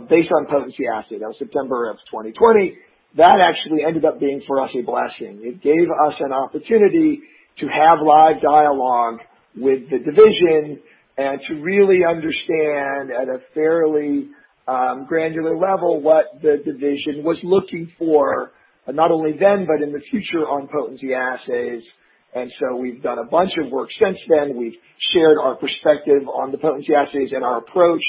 based on potency assay. That was September of 2020. That actually ended up being, for us, a blessing. It gave us an opportunity to have live dialogue with the division and to really understand at a fairly granular level what the division was looking for, not only then but in the future, on potency assays. We've done a bunch of work since then. We've shared our perspective on the potency assays and our approach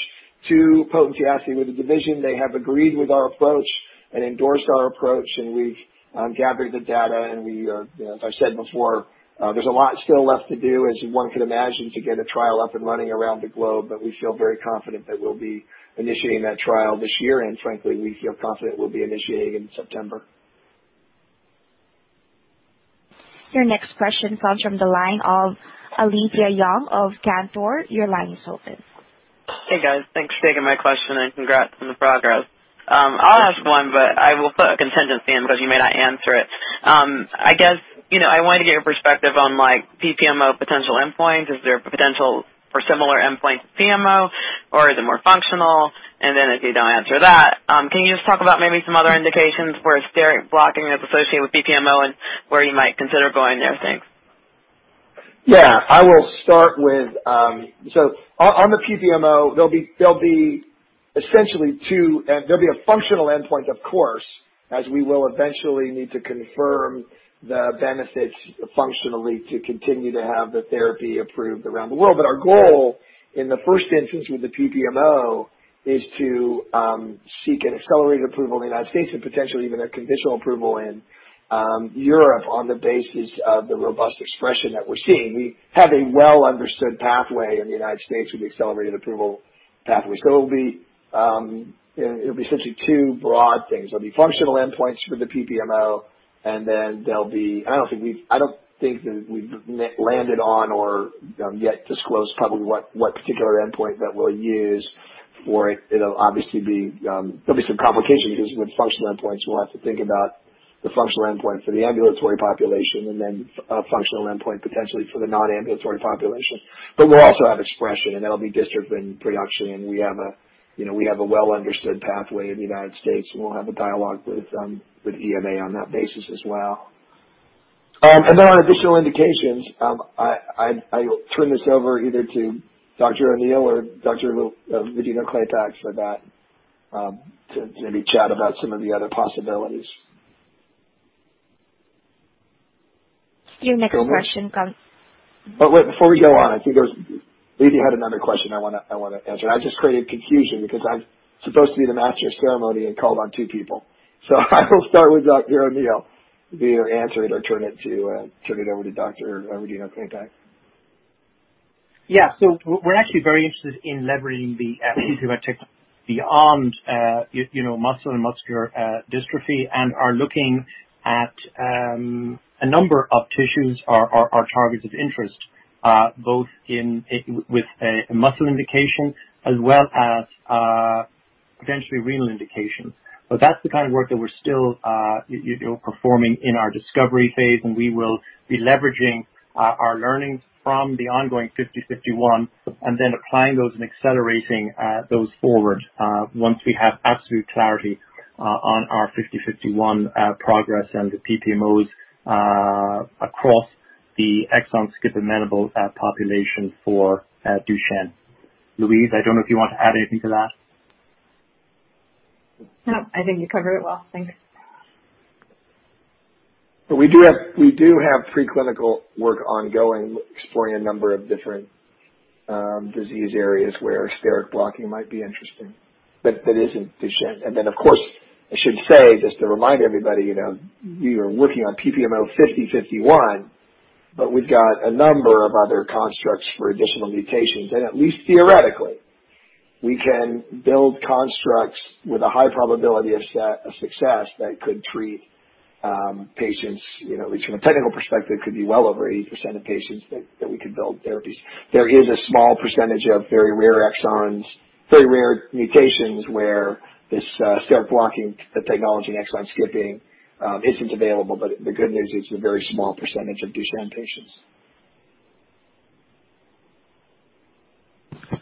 to potency assay with the division. They have agreed with our approach and endorsed our approach, and we've gathered the data, and as I said before, there's a lot still left to do, as one could imagine, to get a trial up and running around the globe. We feel very confident that we'll be initiating that trial this year, and frankly, we feel confident we'll be initiating in September. Your next question comes from the line of Alethia Young of Cantor. Your line is open. Hey, guys. Thanks for taking my question and congrats on the progress. I'll ask one, but I will put a contingency in because you may not answer it. I wanted to get your perspective on PPMO potential endpoint. Is there a potential for similar endpoint to PMO, or is it more functional? If you don't answer that, can you just talk about maybe some other indications where steric blocking is associated with PPMO and where you might consider going there? Thanks. Yeah. On the PPMO, there'll be a functional endpoint, of course, as we will eventually need to confirm the benefits functionally to continue to have the therapy approved around the world. Our goal in the first instance with the PPMO is to seek an accelerated approval in the United States and potentially even a conditional approval in Europe on the basis of the robust expression that we're seeing. We have a well-understood pathway in the United States with accelerated approval pathways. It'll be essentially two broad things. There'll be functional endpoints for the PPMO, and then there'll be. I don't think that we've landed on or yet disclosed publicly what particular endpoint that we'll use for it. There'll be some complications using the functional endpoints. We'll have to think about the functional endpoint for the ambulatory population and then a functional endpoint potentially for the non-ambulatory population. We'll also have expression, and that'll be dystrophin production, and we have a well-understood pathway in the United States, and we'll have a dialogue with EMA on that basis as well. On additional indications, I will turn this over either to Dr. O'Neill or Dr. Medina-Clotet for that to maybe chat about some of the other possibilities. Your next question comes- Wait, before we go on, I think Louise, you had another question I want to answer, and I just created confusion because I'm supposed to be the master of ceremony and called on two people. I will start with Dr. O'Neill to either answer it or turn it over to Teji Medina-Clotet. Yeah. We're actually very interested in leveraging the exon skipping technology beyond muscle and muscular dystrophy and are looking at a number of tissues are targets of interest, both with a muscle indication as well as potentially renal indications. That's the kind of work that we're still performing in our discovery phase, and we will be leveraging our learnings from the ongoing SRP-5051 and then applying those and accelerating those forward once we have absolute clarity on our SRP-5051 progress and the PPMOs across the exon-skip amenable population for Duchenne. Louise, I don't know if you want to add anything to that. No, I think you covered it well. Thanks. We do have pre-clinical work ongoing exploring a number of different disease areas where steric blocking might be interesting, but that isn't Duchenne. Of course, I should say, just to remind everybody, we are working on PPMO 5051, but we've got a number of other constructs for additional mutations. At least theoretically, we can build constructs with a high probability of success that could treat patients, at least from a technical perspective, could be well over 80% of patients that we could build therapies. There is a small percentage of very rare exons, very rare mutations where this steric blocking technology and exon skipping isn't available. The good news, it's a very small percentage of Duchenne patients.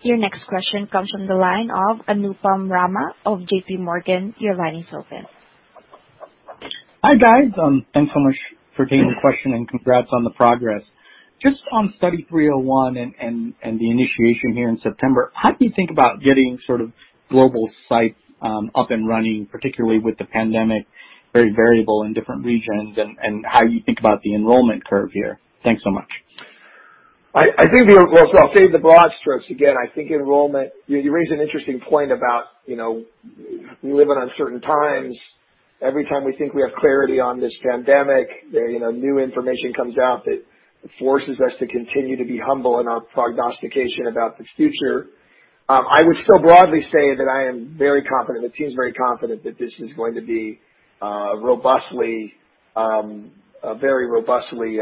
Your next question comes from the line of Anupam Rama of JPMorgan. Your line is open. Hi, guys. Thanks so much for taking the question. Congrats on the progress. Just on Study 301 and the initiation here in September, how do you think about getting global sites up and running, particularly with the pandemic very variable in different regions, and how you think about the enrollment curve here? Thanks so much. I'll say the broad strokes again. You raise an interesting point about we live in uncertain times. Every time we think we have clarity on this pandemic, new information comes out that forces us to continue to be humble in our prognostication about the future. I would still broadly say that I am very confident, the team's very confident, that this is going to be a very robustly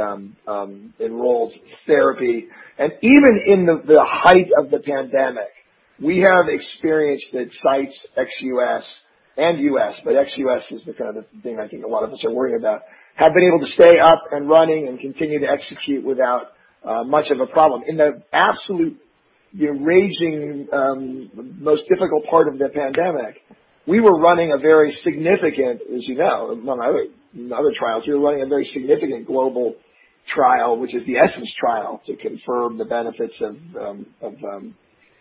enrolled therapy. Even in the height of the pandemic, we have experienced that sites, ex-U.S. and U.S., but ex-U.S. is the thing I think a lot of us are worried about, have been able to stay up and running and continue to execute without much of a problem. In the absolute raging, most difficult part of the pandemic, we were running a very significant, as you know, among other trials, we were running a very significant global trial, which is the ESSENCE trial, to confirm the benefits of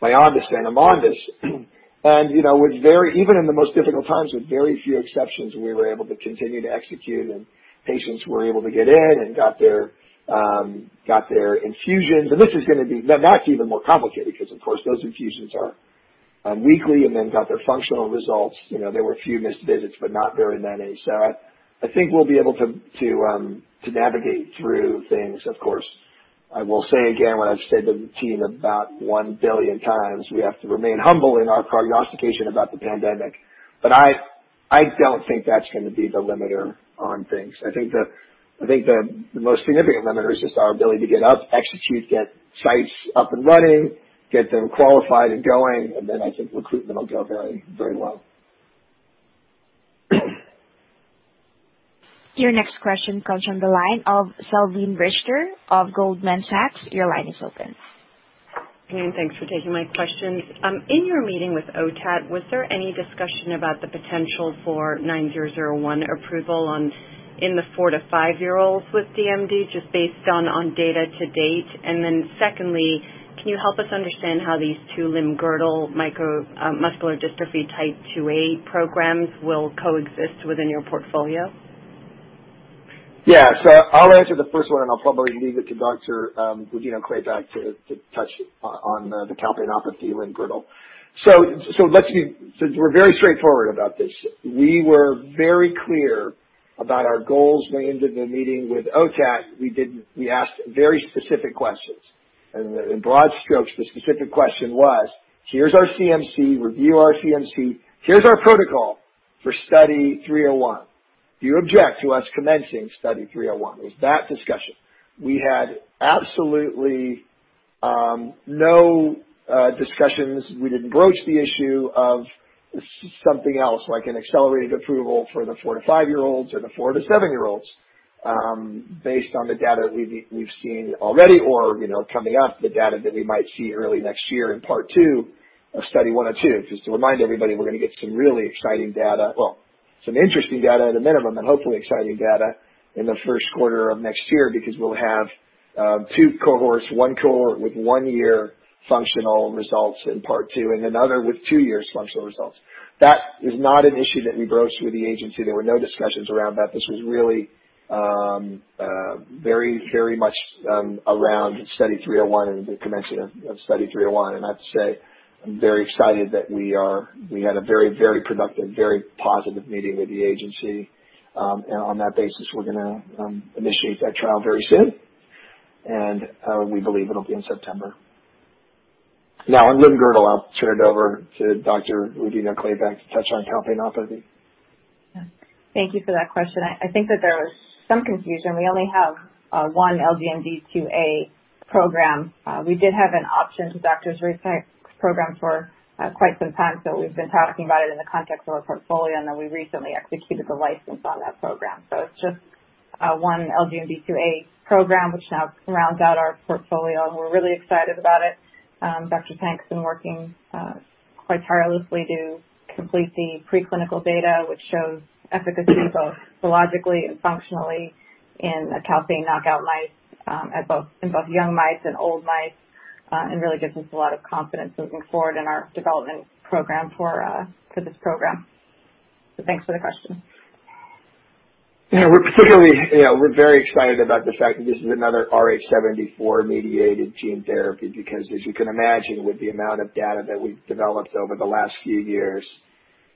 VYONDYS 53 and AMONDYS 45. Even in the most difficult times, with very few exceptions, we were able to continue to execute, and patients were able to get in and got their infusions. That's even more complicated because, of course, those infusions are weekly, and then got their functional results. There were a few missed visits, but not very many. I think we'll be able to navigate through things. Of course, I will say again what I've said to the team about 1 billion times, we have to remain humble in our prognostication about the pandemic. I don't think that's going to be the limiter on things. I think the most significant limiter is just our ability to get up, execute, get sites up and running, get them qualified and going, and then I think recruitment will go very well. Your next question comes from the line of Salveen Richter of Goldman Sachs. Your line is open. Hi, thanks for taking my questions. In your meeting with OTAT, was there any discussion about the potential for 9001 approval in the four to five-year-olds with DMD, just based on data to date? Secondly, can you help us understand how these two limb-girdle muscular dystrophy Type 2A programs will coexist within your portfolio? Yeah. I'll answer the first one, and I'll probably leave it to Dr. Rodino-Klapac to touch on the calpainopathy limb-girdle. We're very straightforward about this. We were very clear about our goals going into the meeting with OTAT. We asked very specific questions. In broad strokes, the specific question was, "Here's our CMC. Review our CMC. Here's our protocol for Study 301. Do you object to us commencing Study 301?" It was that discussion. We had absolutely no discussions. We didn't broach the issue of something else, like an accelerated approval for the four to five-year-olds or the four to seven-year-olds based on the data that we've seen already or coming up, the data that we might see early next year in Part 2 of Study 102. Just to remind everybody, we're going to get some really exciting data. Well, some interesting data at a minimum, and hopefully exciting data in the first quarter of next year because we'll have two cohorts, one cohort with one year functional results in Part 2 and another with two years functional results. That is not an issue that we broached with the agency. There were no discussions around that. This was really very much around Study 301 and the commencement of Study 301. I have to say, I'm very excited that we had a very productive, very positive meeting with the agency. On that basis, we're going to initiate that trial very soon, and we believe it'll be in September. Now, on limb-girdle, I'll turn it over to Dr. Rodino-Klapac to touch on calpainopathy. Thank you for that question. I think that there was some confusion. We only have one LGMD type 2A program. We did have an option to Dr. Tank's Research program for quite some time, we've been talking about it in the context of our portfolio, we recently executed the license on that program. It's just one LGMD type 2A program, which now rounds out our portfolio, and we're really excited about it. Dr. Tank's been working quite tirelessly to complete the preclinical data, which shows efficacy both biologically and functionally in the calpain knockout mice, in both young mice and old mice. Really gives us a lot of confidence moving forward in our development program for this program. Thanks for the question. Yeah, we're very excited about the fact that this is another RH74 mediated gene therapy because as you can imagine, with the amount of data that we've developed over the last few years,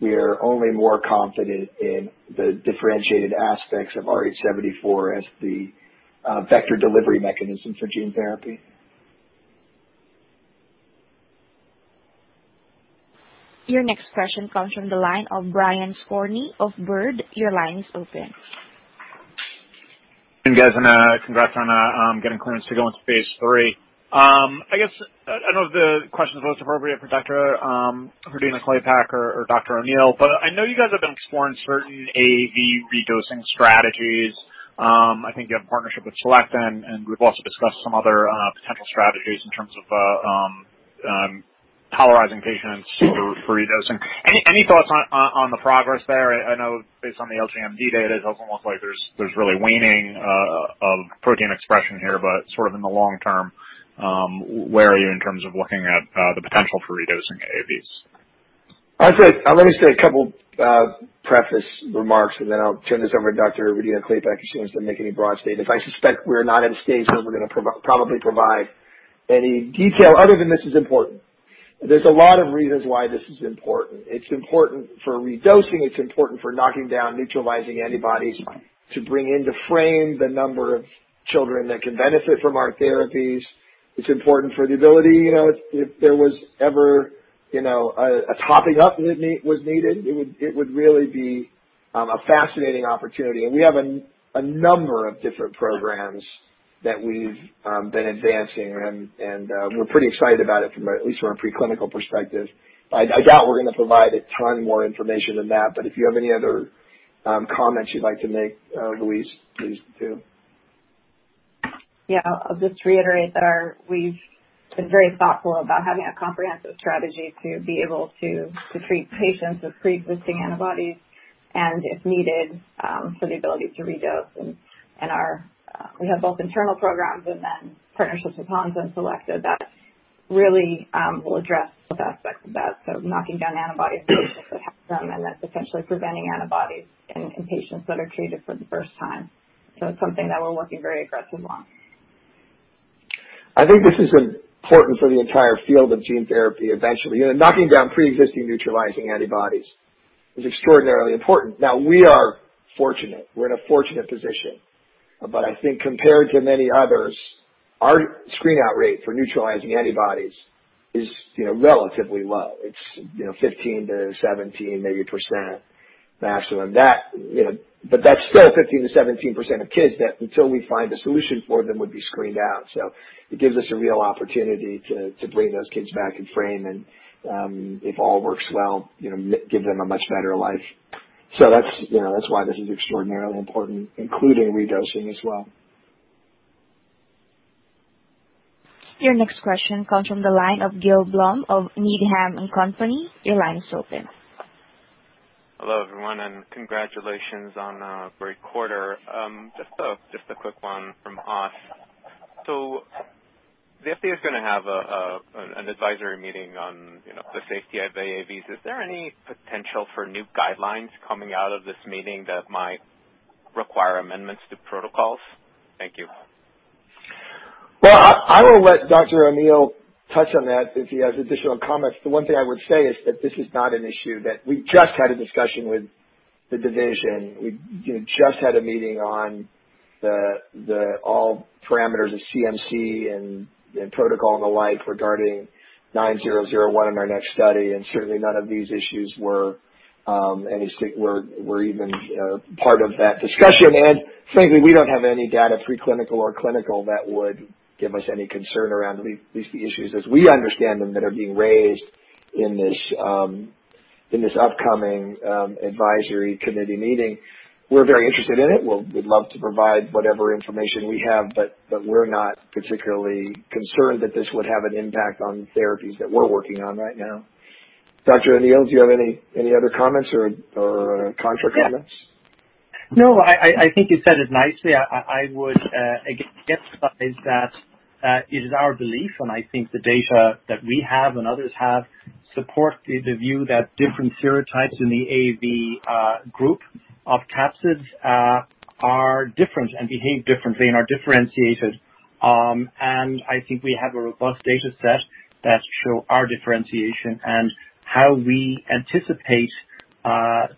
we are only more confident in the differentiated aspects of RH74 as the vector delivery mechanism for gene therapy. Your next question comes from the line of Brian Skorney of Baird. Your line is open. Hey guys, congrats on getting clearance to go into phase III. I guess, I don't know if the question is most appropriate for Dr. Rodino-Klapac or Dr. O'Neill, but I know you guys have been exploring certain AAV redosing strategies. I think you have a partnership with Selecta, and we've also discussed some other potential strategies in terms of tolerizing patients for redosing. Any thoughts on the progress there? I know based on the LGMD data, it doesn't look like there's really waning of protein expression here, but sort of in the long term, where are you in terms of looking at the potential for redosing AAVs? I'm going to say a couple preface remarks, and then I'll turn this over to Dr. Rodino-Klapac since they make any broad statements. I suspect we're not at a stage where we're going to probably provide any detail other than this is important. There's a lot of reasons why this is important. It's important for redosing. It's important for knocking down neutralizing antibodies to bring into frame the number of children that can benefit from our therapies. It's important for the ability, if there was ever a topping up that was needed, it would really be a fascinating opportunity. We have a number of different programs that we've been advancing, and we're pretty excited about it, at least from a preclinical perspective. I doubt we're going to provide a ton more information than that, but if you have any other comments you'd like to make, Louise, please do. Yeah, I'll just reiterate that we've been very thoughtful about having a comprehensive strategy to be able to treat patients with preexisting antibodies and if needed, for the ability to redose. We have both internal programs and then partnerships with partner Selecta that really will address both aspects of that, so knocking down antibodies that have them, and that's essentially preventing antibodies in patients that are treated for the first time. It's something that we're working very aggressively on. I think this is important for the entire field of gene therapy eventually. Knocking down preexisting neutralizing antibodies is extraordinarily important. Now we are fortunate. We're in a fortunate position, but I think compared to many others, our screen-out rate for neutralizing antibodies is relatively low. It's 15%-17% maximum. That's still 15%-17% of kids that until we find a solution for them would be screened out. It gives us a real opportunity to bring those kids back in frame and, if all works well, give them a much better life. That's why this is extraordinarily important, including redosing as well. Your next question comes from the line of Gil Blum of Needham & Company. Your line is open. Hello, everyone, and congratulations on a great quarter. Just a quick one from us. The FDA is going to have an advisory meeting on the safety of AAVs. Is there any potential for new guidelines coming out of this meeting that might require amendments to protocols? Thank you. I will let Dr. O'Neill touch on that if he has additional comments. The one thing I would say is that this is not an issue. We just had a discussion with the division. We just had a meeting on all parameters of CMC and protocol and the like regarding SRP-9001 in our next study. Certainly none of these issues were even part of that discussion. Frankly, we don't have any data, preclinical or clinical, that would give us any concern around at least the issues as we understand them that are being raised in this upcoming advisory committee meeting. We're very interested in it. We'd love to provide whatever information we have. We're not particularly concerned that this would have an impact on the therapies that we're working on right now. Dr. O'Neill, do you have any other comments or contra comments? No, I think you said it nicely. I would, again, emphasize that it is our belief, and I think the data that we have and others have, support the view that different serotypes in the AAV group of capsids are different and behave differently and are differentiated. I think we have a robust data set that show our differentiation and how we anticipate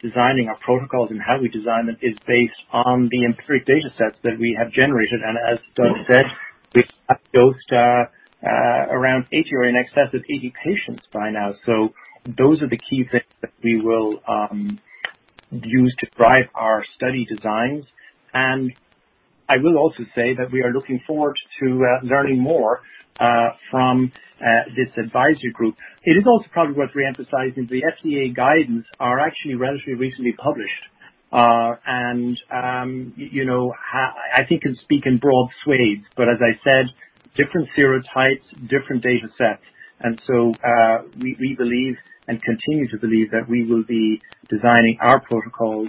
designing our protocols and how we design them is based on the empiric data sets that we have generated. As Doug said, we have dosed around 80 or in excess of 80 patients by now. Those are the key things that we will use to drive our study designs, and I will also say that we are looking forward to learning more from this advisory group. It is also probably worth reemphasizing the FDA guidance are actually relatively recently published. I think I speak in broad swathes, but as I said, different serotypes, different data sets. We believe and continue to believe that we will be designing our protocols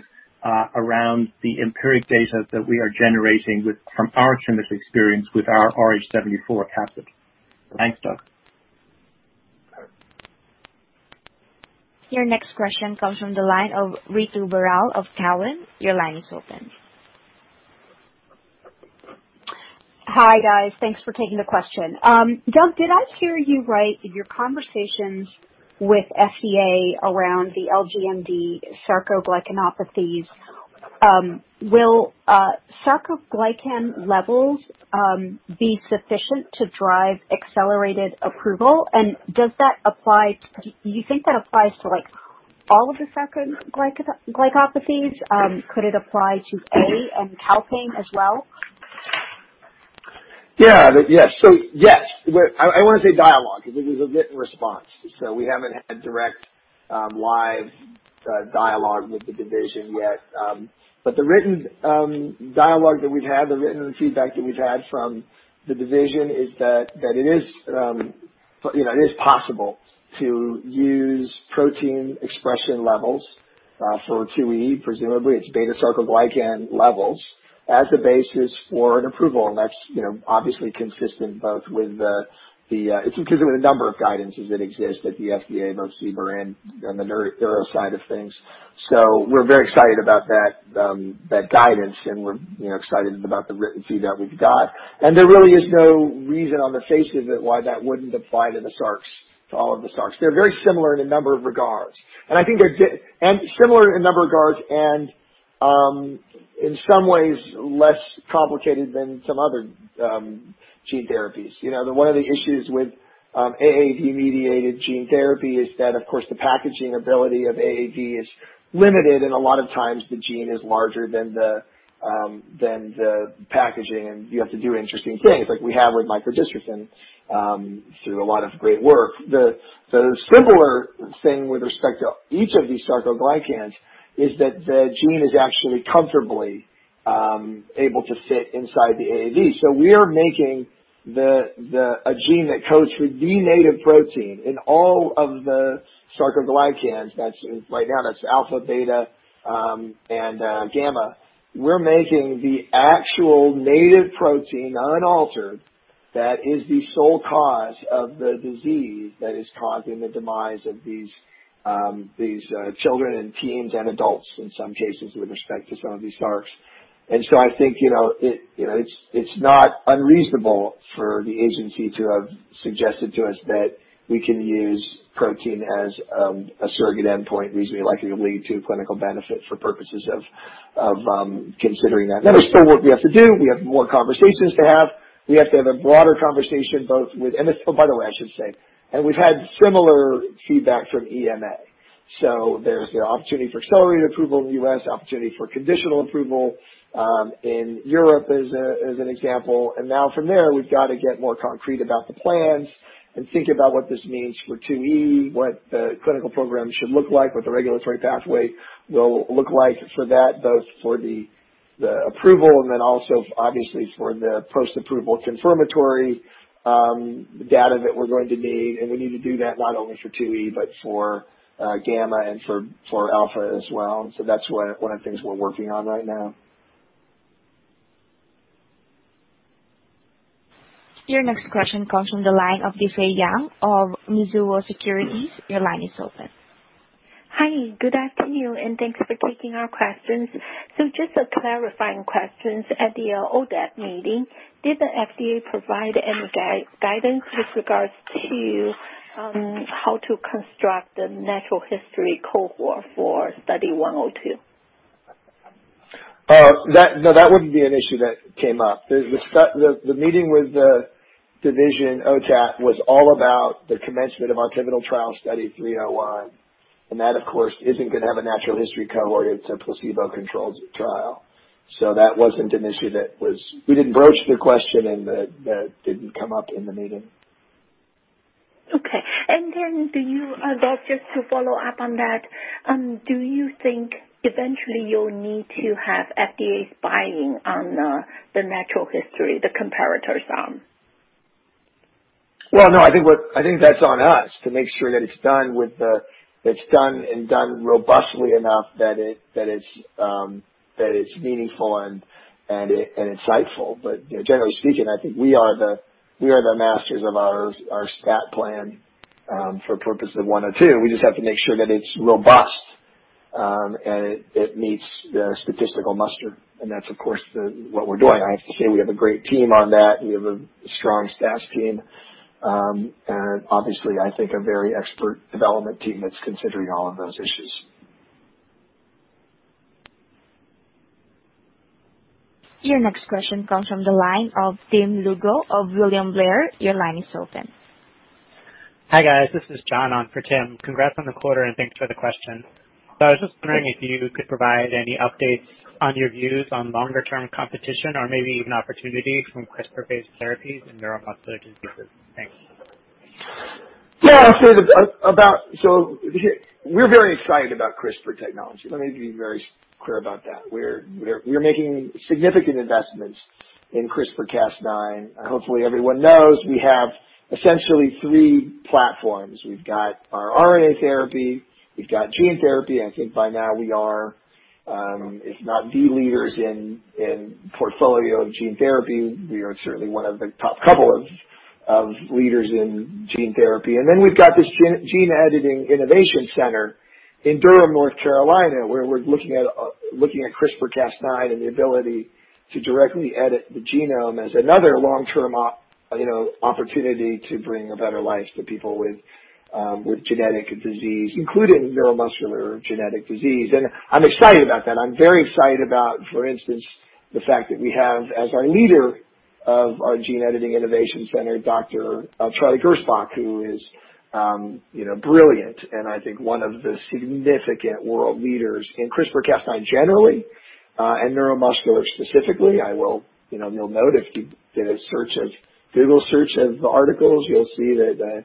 around the empiric data that we are generating from our tremendous experience with our RH74 capsid. Thanks, Doug. Your next question comes from the line of Ritu Baral of Cowen. Your line is open. Hi, guys. Thanks for taking the question. Doug, did I hear you right in your conversations with FDA around the LGMD sarcoglycanopathies, will sarcoglycan levels be sufficient to drive accelerated approval? Do you think that applies to all of the sarcoglycanopathies? Could it apply to A and calpain as well? Yes. I want to say dialogue, because it was a written response. We haven't had direct live dialogue with the division yet. The written dialogue that we've had, the written feedback that we've had from the division is that it is possible to use protein expression levels for 2E. Presumably, it's beta-sarcoglycan levels as a basis for an approval. It's consistent with a number of guidances that exist at the FDA, both CBER and the neuro side of things. We're very excited about that guidance, and we're excited about the written feedback we've got. There really is no reason on the face of it why that wouldn't apply to all of the SARCs. They're very similar in a number of regards, and similar in a number of regards and in some ways less complicated than some other gene therapies. One of the issues with AAV-mediated gene therapy is that, of course, the packaging ability of AAV is limited, and a lot of times the gene is larger than the packaging and you have to do interesting things like we have with microdystrophin through a lot of great work. The similar thing with respect to each of these sarcoglycans is that the gene is actually comfortably able to sit inside the AAV. We are making a gene that codes for the native protein in all of the sarcoglycans. Right now, that's alpha, beta, and gamma. We're making the actual native protein unaltered. That is the sole cause of the disease that is causing the demise of these children and teens, and adults in some cases, with respect to some of these sarcoglycans. I think it's not unreasonable for the agency to have suggested to us that we can use protein as a surrogate endpoint reasonably likely to lead to clinical benefit for purposes of considering that. There is still work we have to do. We have more conversations to have. We have to have a broader conversation. By the way, I should say, and we've had similar feedback from EMA. There's the opportunity for accelerated approval in the U.S., opportunity for conditional approval in Europe as an example. From there, we've got to get more concrete about the plans and think about what this means for 2E, what the clinical program should look like, what the regulatory pathway will look like for that, both for the approval and then also obviously for the post-approval confirmatory data that we're going to need. We need to do that not only for 2E, but for gamma and for alpha as well. That's one of the things we're working on right now. Your next question comes from the line of Difei Yang of Mizuho Securities. Your line is open. Hi, good afternoon, and thanks for taking our questions. Just a clarifying question. At the ODAC meeting, did the FDA provide any guidance with regards to how to construct the natural history cohort for Study 102? No, that wouldn't be an issue that came up. The meeting with the division, ODAC, was all about the commencement of our pivotal trial Study 301. That, of course, isn't going to have a natural history cohort. It's a placebo-controlled trial. That wasn't an issue. We didn't broach the question, and that didn't come up in the meeting. Okay. Just to follow up on that, do you think eventually you'll need to have FDA's buy-in on the natural history, the comparators on? Well, no, I think that's on us to make sure that it's done and done robustly enough that it's meaningful and insightful. Generally speaking, I think we are the masters of our stat plan for purposes of 102. We just have to make sure that it's robust, and it meets the statistical muster. That's, of course, what we're doing. I have to say, we have a great team on that. We have a strong stats team. Obviously, I think a very expert development team that's considering all of those issues. Your next question comes from the line of Tim Lugo of William Blair. Your line is open. Hi, guys. This is John on for Tim. Congrats on the quarter, and thanks for the questions. I was just wondering if you could provide any updates on your views on longer-term competition or maybe even opportunity from CRISPR-based therapies in neuromuscular diseases. Thanks. Yeah. We're very excited about CRISPR technology. Let me be very clear about that. We're making significant investments in CRISPR-Cas9. Hopefully, everyone knows we have essentially three platforms. We've got our RNA therapy, we've got gene therapy. I think by now we are, if not the leaders in portfolio of gene therapy, we are certainly one of the top couple of leaders in gene therapy. We've got this gene editing innovation center in Durham, North Carolina, where we're looking at CRISPR-Cas9 and the ability to directly edit the genome as another long-term opportunity to bring a better life to people with genetic disease, including neuromuscular genetic disease. I'm excited about that. I'm very excited about, for instance, the fact that we have as our leader of our gene editing innovation center, Dr. Charles Gersbach, who is brilliant and I think one of the significant world leaders in CRISPR-Cas9 generally. Neuromuscular specifically, you'll note if you did a Google search of the articles, you'll see that,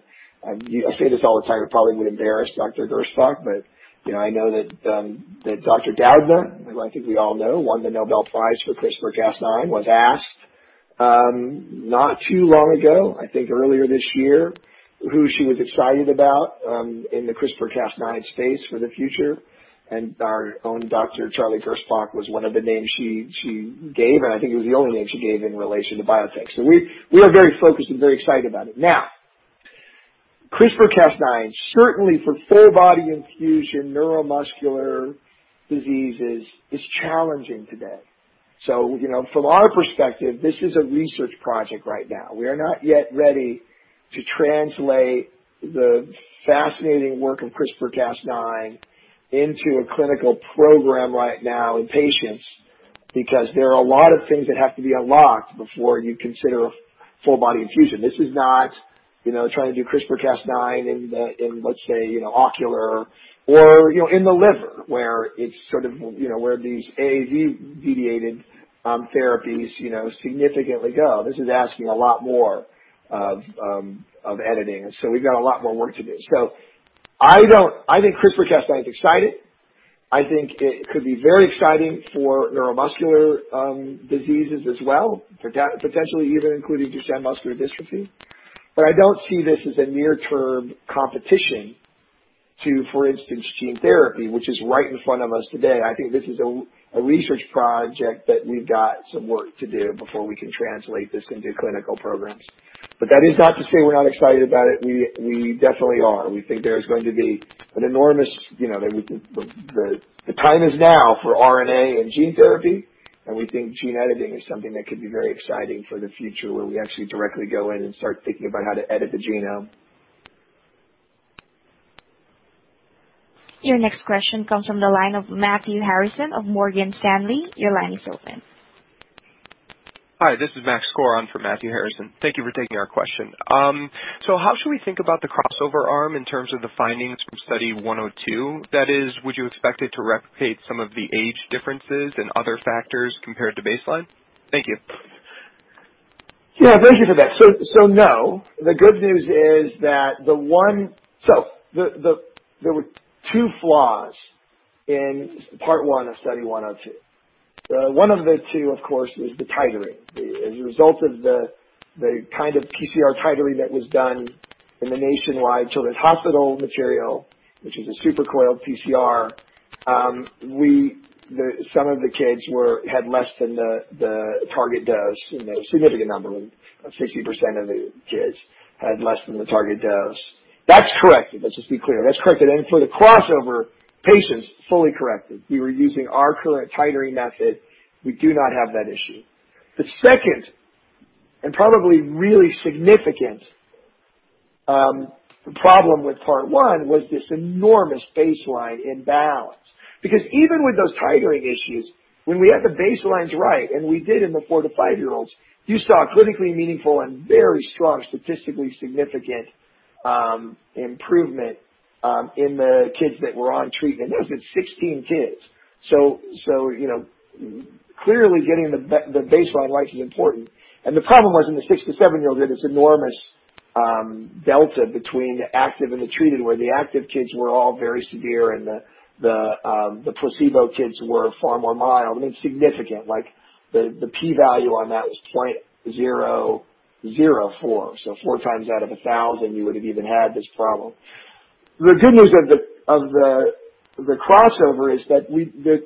I say this all the time, it probably would embarrass Dr. Gersbach, but I know that Dr. Doudna, who I think we all know, won the Nobel Prize for CRISPR-Cas9, was asked, not too long ago, I think earlier this year, who she was excited about, in the CRISPR-Cas9 space for the future, and our own Dr. Charles Gersbach was one of the names she gave, and I think it was the only name she gave in relation to biotech. We are very focused and very excited about it. CRISPR-Cas9, certainly for full body infusion neuromuscular diseases, is challenging today. From our perspective, this is a research project right now. We are not yet ready to translate the fascinating work of CRISPR-Cas9 into a clinical program right now in patients, because there are a lot of things that have to be unlocked before you consider full body infusion. This is not trying to do CRISPR-Cas9 in, let's say, ocular or in the liver where these AAV mediated therapies significantly go. This is asking a lot more of editing. We've got a lot more work to do. I think CRISPR-Cas9 is exciting. I think it could be very exciting for neuromuscular diseases as well, potentially even including Duchenne muscular dystrophy. I don't see this as a near term competition to, for instance, gene therapy, which is right in front of us today. I think this is a research project that we've got some work to do before we can translate this into clinical programs. That is not to say we're not excited about it. We definitely are. We think the time is now for RNA and gene therapy, and we think gene editing is something that could be very exciting for the future, where we actually directly go in and start thinking about how to edit the genome. Your next question comes from the line of Matthew Harrison of Morgan Stanley. Your line is open. Hi, this is Max Skor on for Matthew Harrison. Thank you for taking our question. How should we think about the crossover arm in terms of the findings from Study 102? That is, would you expect it to replicate some of the age differences and other factors compared to baseline? Thank you. Yeah, thank you for that. No. There were two flaws in Part 1 of Study 102. One of the two, of course, was the titrating. As a result of the kind of PCR titrating that was done in the Nationwide Children's Hospital material, which is a supercoiled PCR, some of the kids had less than the target dose. A significant number, 60% of the kids, had less than the target dose. That's corrected. Let's just be clear. That's corrected. For the crossover patients, fully corrected. We were using our current titrating method. We do not have that issue. The second, and probably really significant, problem with Part 1 was this enormous baseline imbalance. Even with those titrating issues, when we had the baselines right, and we did in the four to five-year-olds, you saw a clinically meaningful and very strong statistically significant improvement, in the kids that were on treatment. Those are 16 kids. Clearly getting the baseline right is important. The problem was in the six to seven-year-olds, there's this enormous delta between active and the treated, where the active kids were all very severe and the placebo kids were far more mild. I mean, significant, like the P value on that was .004. Four times out of 1,000 you would've even had this problem. The good news of the crossover is that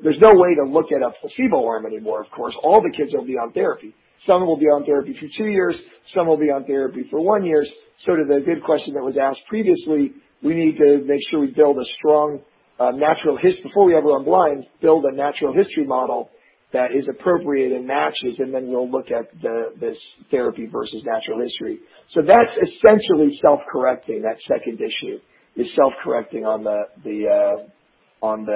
there's no way to look at a placebo arm anymore, of course. All the kids will be on therapy. Some will be on therapy for two years. Some will be on therapy for one year. To the good question that was asked previously, we need to make sure we build a strong natural history, before we ever unblind, build a natural history model that is appropriate and matches, and then we'll look at this therapy versus natural history. That's essentially self-correcting. That second issue is self-correcting on Part 2. On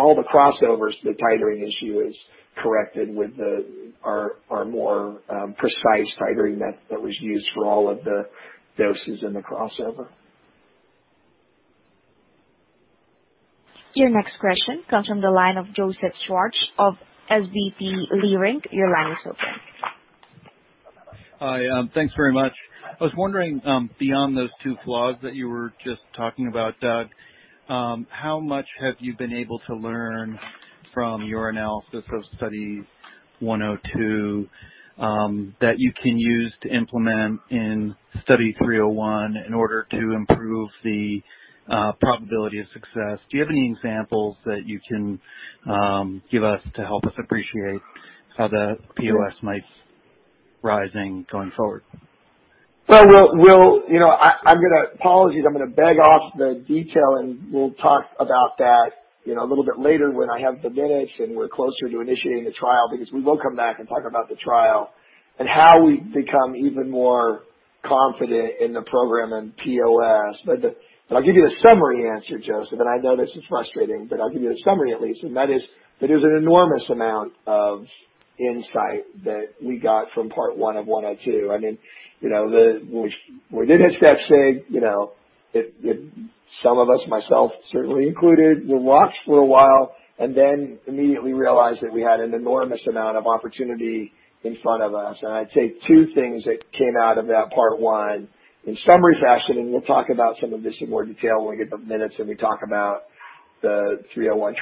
all the crossovers, the titering issue is corrected with our more precise titering method that was used for all of the doses in the crossover. Your next question comes from the line of Joseph Schwartz of SVB Leerink. Hi, thanks very much. I was wondering, beyond those two flaws that you were just talking about, Doug, how much have you been able to learn from your analysis of Study 102, that you can use to implement in Study 301 in order to improve the probability of success? Do you have any examples that you can give us to help us appreciate how the POS might rising going forward? Apologies, I'm gonna beg off the detail and we'll talk about that a little bit later when I have the minutes and we're closer to initiating the trial, because we will come back and talk about the trial and how we become even more confident in the program and POS. I'll give you the summary answer, Joseph, and I know this is frustrating, but I'll give you the summary at least, and that is there's an enormous amount of insight that we got from Part 1 of 102. We did have setbacks. Some of us, myself certainly included, watched for a while and then immediately realized that we had an enormous amount of opportunity in front of us. I'd say two things that came out of that Part 1 in summary fashion, and we'll talk about some of this in more detail when we get the minutes and we talk about Study 301.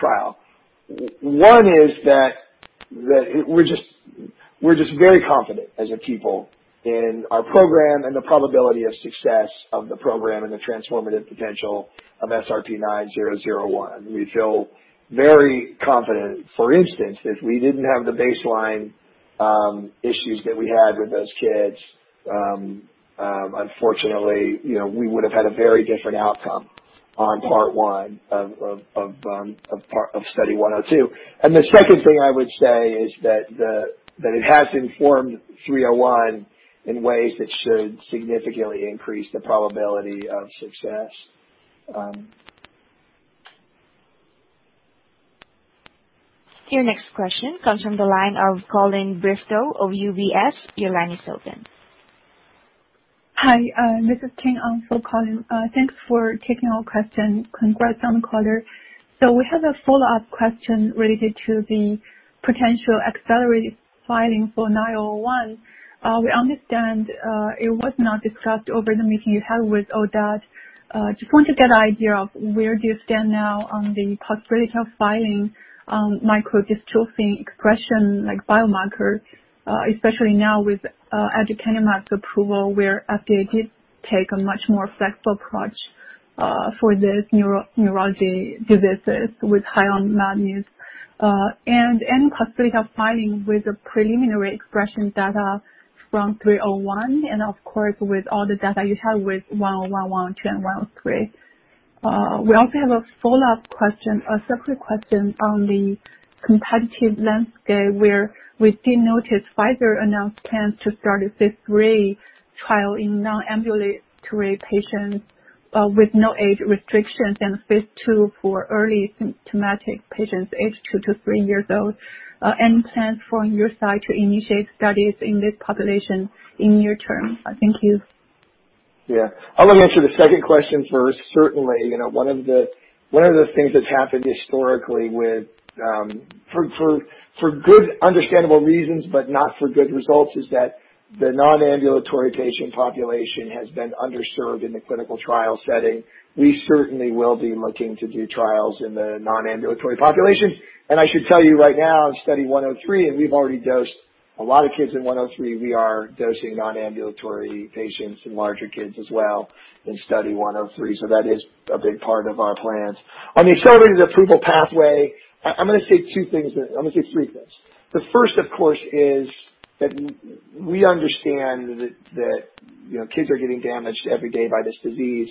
One is that we're just very confident as a people in our program and the probability of success of the program and the transformative potential of SRP-9001. We feel very confident. For instance, if we didn't have the baseline issues that we had with those kids, unfortunately, we would have had a very different outcome on Part 1 of Study 102. The second thing I would say is that it has informed Study 301 in ways that should significantly increase the probability of success. Your next question comes from the line of Colin Bristow of UBS. Your line is open. Hi, this is Sean King on for Colin Bristow. Thanks for taking our question. Congrats on the quarter. We have a follow-up question related to the potential accelerated filing for SRP-9001. We understand it was not discussed over the meeting you had with OTAT. Just want to get an idea of where do you stand now on the possibility of filing microdystrophin expression like biomarkers, especially now with aducanumab's approval, where FDA did take a much more flexible approach for these neurology diseases with high unmet needs, and any possibility of filing with the preliminary expression data from Study 301 and of course, with all the data you have with Study 101, Study 102, and Study 103? We also have a follow-up question, a separate question on the competitive landscape where we did notice Pfizer announced plans to start a phase III trial in non-ambulatory patients with no age restrictions and phase II for early symptomatic patients aged two to three years old. Any plans from your side to initiate studies in this population in near term? Thank you. Yeah. I'm going to answer the second question first. Certainly, one of the things that's happened historically, for good understandable reasons but not for good results, is that the non-ambulatory patient population has been underserved in the clinical trial setting. We certainly will be looking to do trials in the non-ambulatory population. I should tell you right now, in Study 103, and we've already dosed a lot of kids in 103, we are dosing non-ambulatory patients and larger kids as well in Study 103, so that is a big part of our plans. On the accelerated approval pathway, I'm going to say three things there. The first, of course, is that we understand that kids are getting damaged every day by this disease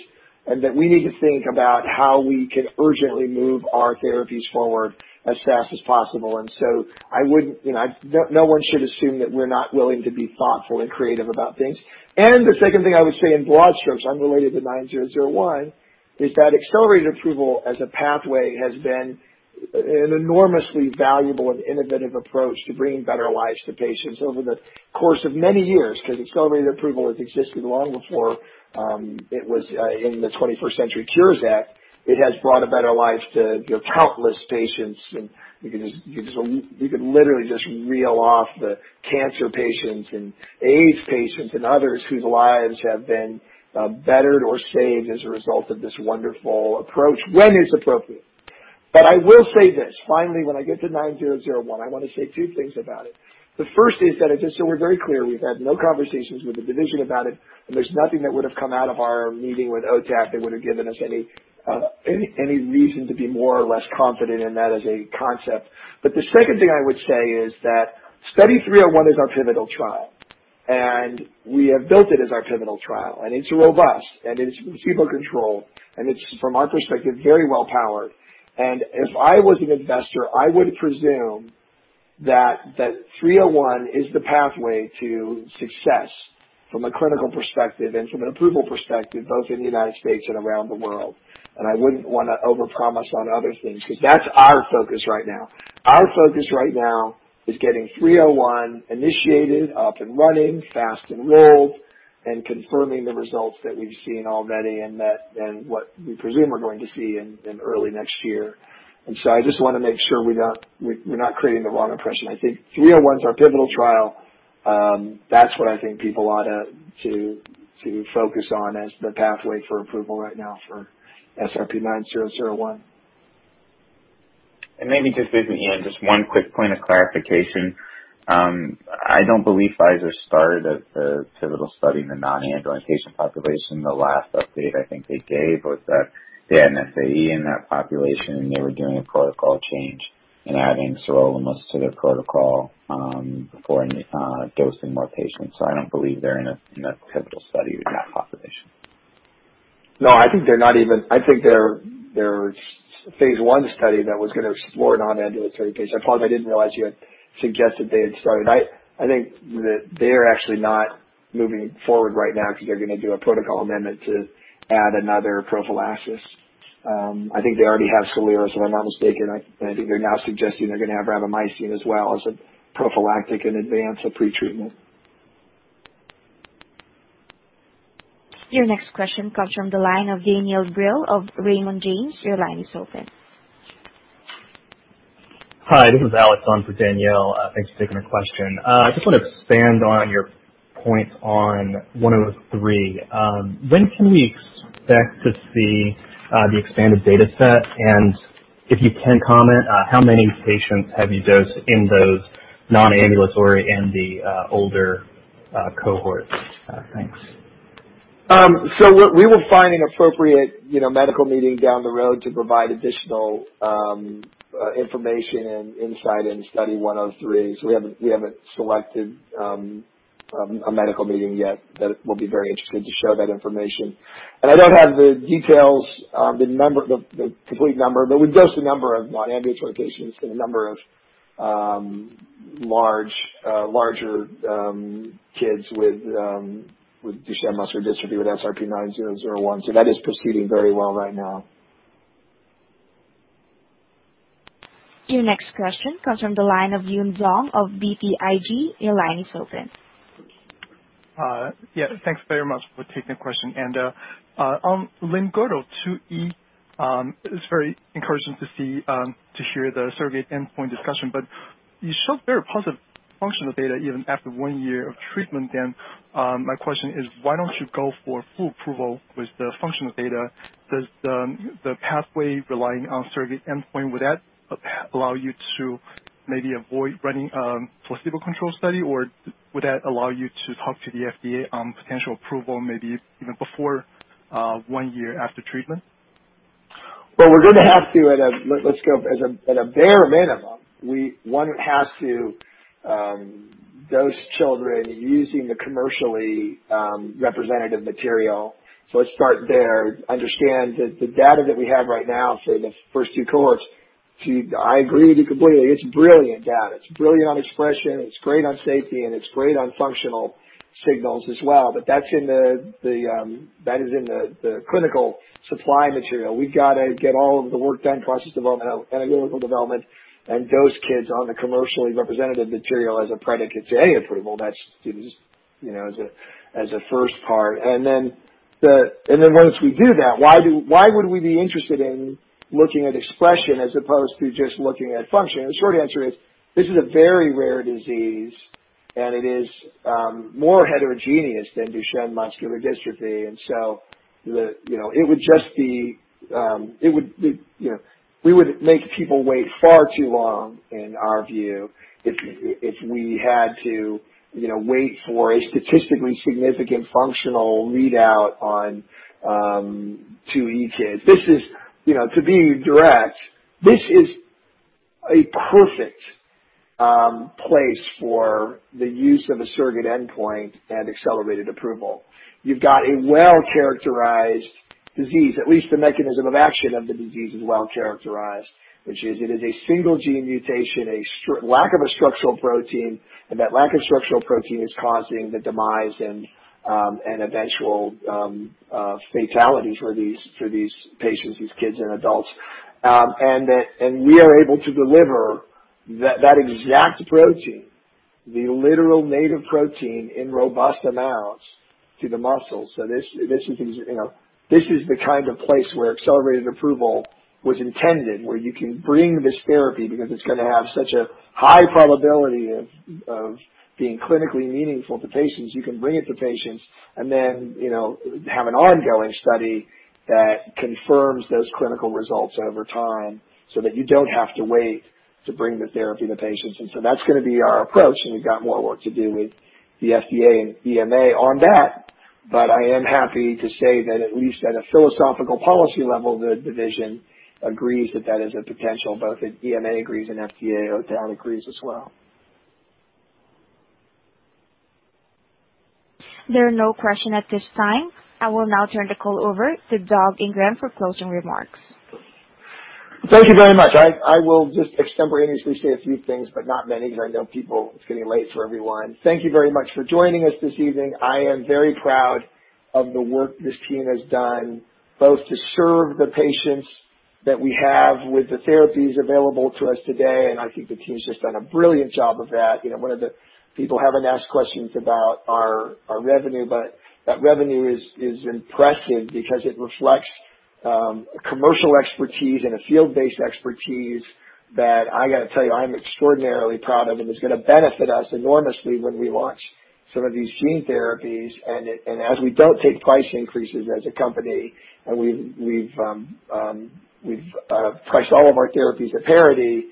and that we need to think about how we can urgently move our therapies forward as fast as possible. No one should assume that we're not willing to be thoughtful and creative about things. The second thing I would say in broad strokes, unrelated to SRP-9001, is that accelerated approval as a pathway has been an enormously valuable and innovative approach to bringing better lives to patients over the course of many years, because accelerated approval has existed long before it was in the 21st Century Cures Act. It has brought a better life to countless patients, and you could literally just reel off the cancer patients and AIDS patients and others whose lives have been bettered or saved as a result of this wonderful approach when it's appropriate. I will say this. Finally, when I get to SRP-9001, I want to say two things about it. The first is that, just so we're very clear, we've had no conversations with the division about it, and there's nothing that would have come out of our meeting with ODAC that would have given us any reason to be more or less confident in that as a concept. The second thing I would say is that Study 301 is our pivotal trial, and we have built it as our pivotal trial, and it's robust, and it's placebo-controlled, and it's, from our perspective, very well powered. If I was an investor, I would presume that 301 is the pathway to success from a clinical perspective and from an approval perspective, both in the United States and around the world. I wouldn't want to overpromise on other things because that's our focus right now. Our focus right now is getting 301 initiated, up and running, fast enrolled, and confirming the results that we've seen already and what we presume we're going to see in early next year. I just want to make sure we're not creating the wrong impression. I think 301 is our pivotal trial. That's what I think people ought to focus on as the pathway for approval right now for SRP-9001. Maybe just, Ian, just one quick point of clarification. I don't believe Pfizer started the pivotal study in the non-ambulant patient population. The last update I think they gave was that they had an SAE in that population, and they were doing a protocol change and adding SOLIRIS to their protocol for dosing more patients. I don't believe they're in a pivotal study with that population. I think their phase I study that was going to explore non-ambulatory patients. Apologies, I didn't realize you had suggested they had started. I think that they're actually not moving forward right now because they're going to do a protocol amendment to add another prophylaxis. I think they already have SOLIRIS, if I'm not mistaken. I think they're now suggesting they're going to have rapamycin as well as a prophylactic in advance of pretreatment. Your next question comes from the line of Danielle Brill of Raymond James. Your line is open. Hi, this is Alex on for Danielle. Thanks for taking my question. I just want to expand on your points on 103. When can we expect to see the expanded data set? If you can comment, how many patients have you dosed in those non-ambulatory and the older cohorts? Thanks. We will find an appropriate medical meeting down the road to provide additional information and insight in Study 103. We haven't selected a medical meeting yet that will be very interesting to share that information. I don't have the details, the complete number, but we've dosed a number of non-ambulatory patients and a number of larger kids with Duchenne muscular dystrophy with SRP-9001. That is proceeding very well right now. Your next question comes from the line of Yun Zhong of BTIG. Your line is open. Yeah. Thanks very much for taking the question. On LGMD Type 2E, it was very encouraging to hear the surrogate endpoint discussion, but you showed very positive functional data even after one year of treatment. My question is, why don't you go for full approval with the functional data? Does the pathway relying on surrogate endpoint, would that allow you to maybe avoid running a placebo control study, or would that allow you to talk to the FDA on potential approval maybe even before one year after treatment? Well, we're going to have to at a bare minimum, one has to dose children using the commercially representative material. Let's start there. Understand that the data that we have right now for the first two cohorts, I agree with you completely. It's brilliant data. It's brilliant on expression, it's great on safety, and it's great on functional signals as well. That is in the clinical supply material. We've got to get all of the work done, process development, analytical development, and dose kids on the commercially representative material as a predicate to any approval. That's as a first part. Once we do that, why would we be interested in looking at expression as opposed to just looking at function? The short answer is, this is a very rare disease, and it is more heterogeneous than Duchenne muscular dystrophy. We would make people wait far too long, in our view, if we had to wait for a statistically significant functional readout on 2E kids. To be direct, this is a perfect place for the use of a surrogate endpoint and accelerated approval. You've got a well-characterized disease, at least the mechanism of action of the disease is well-characterized. It is a single gene mutation, a lack of a structural protein, and that lack of structural protein is causing the demise and eventual fatality for these patients, these kids and adults. We are able to deliver that exact protein, the literal native protein, in robust amounts to the muscle. This is the kind of place where accelerated approval was intended, where you can bring this therapy because it's going to have such a high probability of being clinically meaningful to patients. You can bring it to patients and then have an ongoing study that confirms those clinical results over time so that you don't have to wait to bring the therapy to patients. That is going to be our approach, and we've got more work to do with the FDA and EMA on that. I am happy to say that at least at a philosophical policy level, the division agrees that that is a potential, both EMA agrees and FDA agrees as well. There are no question at this time. I will now turn the call over to Doug Ingram for closing remarks. Thank you very much. I will just extemporaneously say a few things, but not many, because it is getting late for everyone. Thank you very much for joining us this evening. I am very proud of the work this team has done, both to serve the patients that we have with the therapies available to us today, and I think the team has just done a brilliant job of that. People have not asked questions about our revenue, but that revenue is impressive because it reflects a commercial expertise and a field-based expertise that I got to tell you, I am extraordinarily proud of and is going to benefit us enormously when we launch some of these gene therapies. As we don't take price increases as a company and we've priced all of our therapies at parity,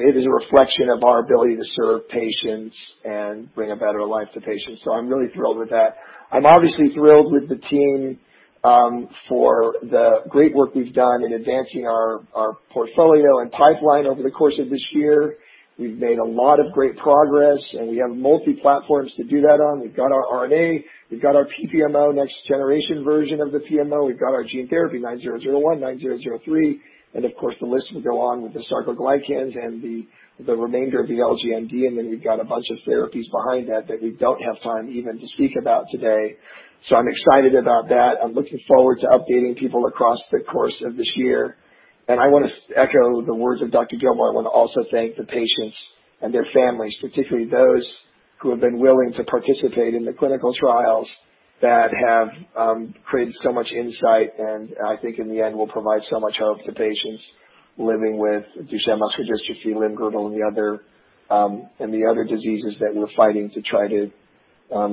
it is a reflection of our ability to serve patients and bring a better life to patients. I'm really thrilled with that. I'm obviously thrilled with the team for the great work we've done in advancing our portfolio and pipeline over the course of this year. We've made a lot of great progress, and we have multi-platforms to do that on. We've got our RNA, we've got our PPMO, next generation version of the PMO. We've got our gene therapy, 9001, 9003, and of course, the list will go on with the sarcoglycans and the remainder of the LGMD. We've got a bunch of therapies behind that we don't have time even to speak about today. I'm excited about that. I'm looking forward to updating people across the course of this year. I want to echo the words of Dr. Gilmore. I want to also thank the patients and their families, particularly those who have been willing to participate in the clinical trials that have created so much insight, and I think in the end, will provide so much hope to patients living with Duchenne muscular dystrophy, limb-girdle, and the other diseases that we're fighting to try to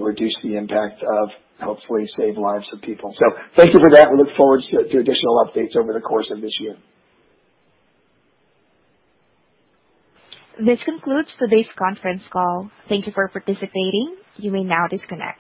reduce the impact of and hopefully save lives of people. Thank you for that. We look forward to additional updates over the course of this year. This concludes today's conference call. Thank you for participating. You may now disconnect.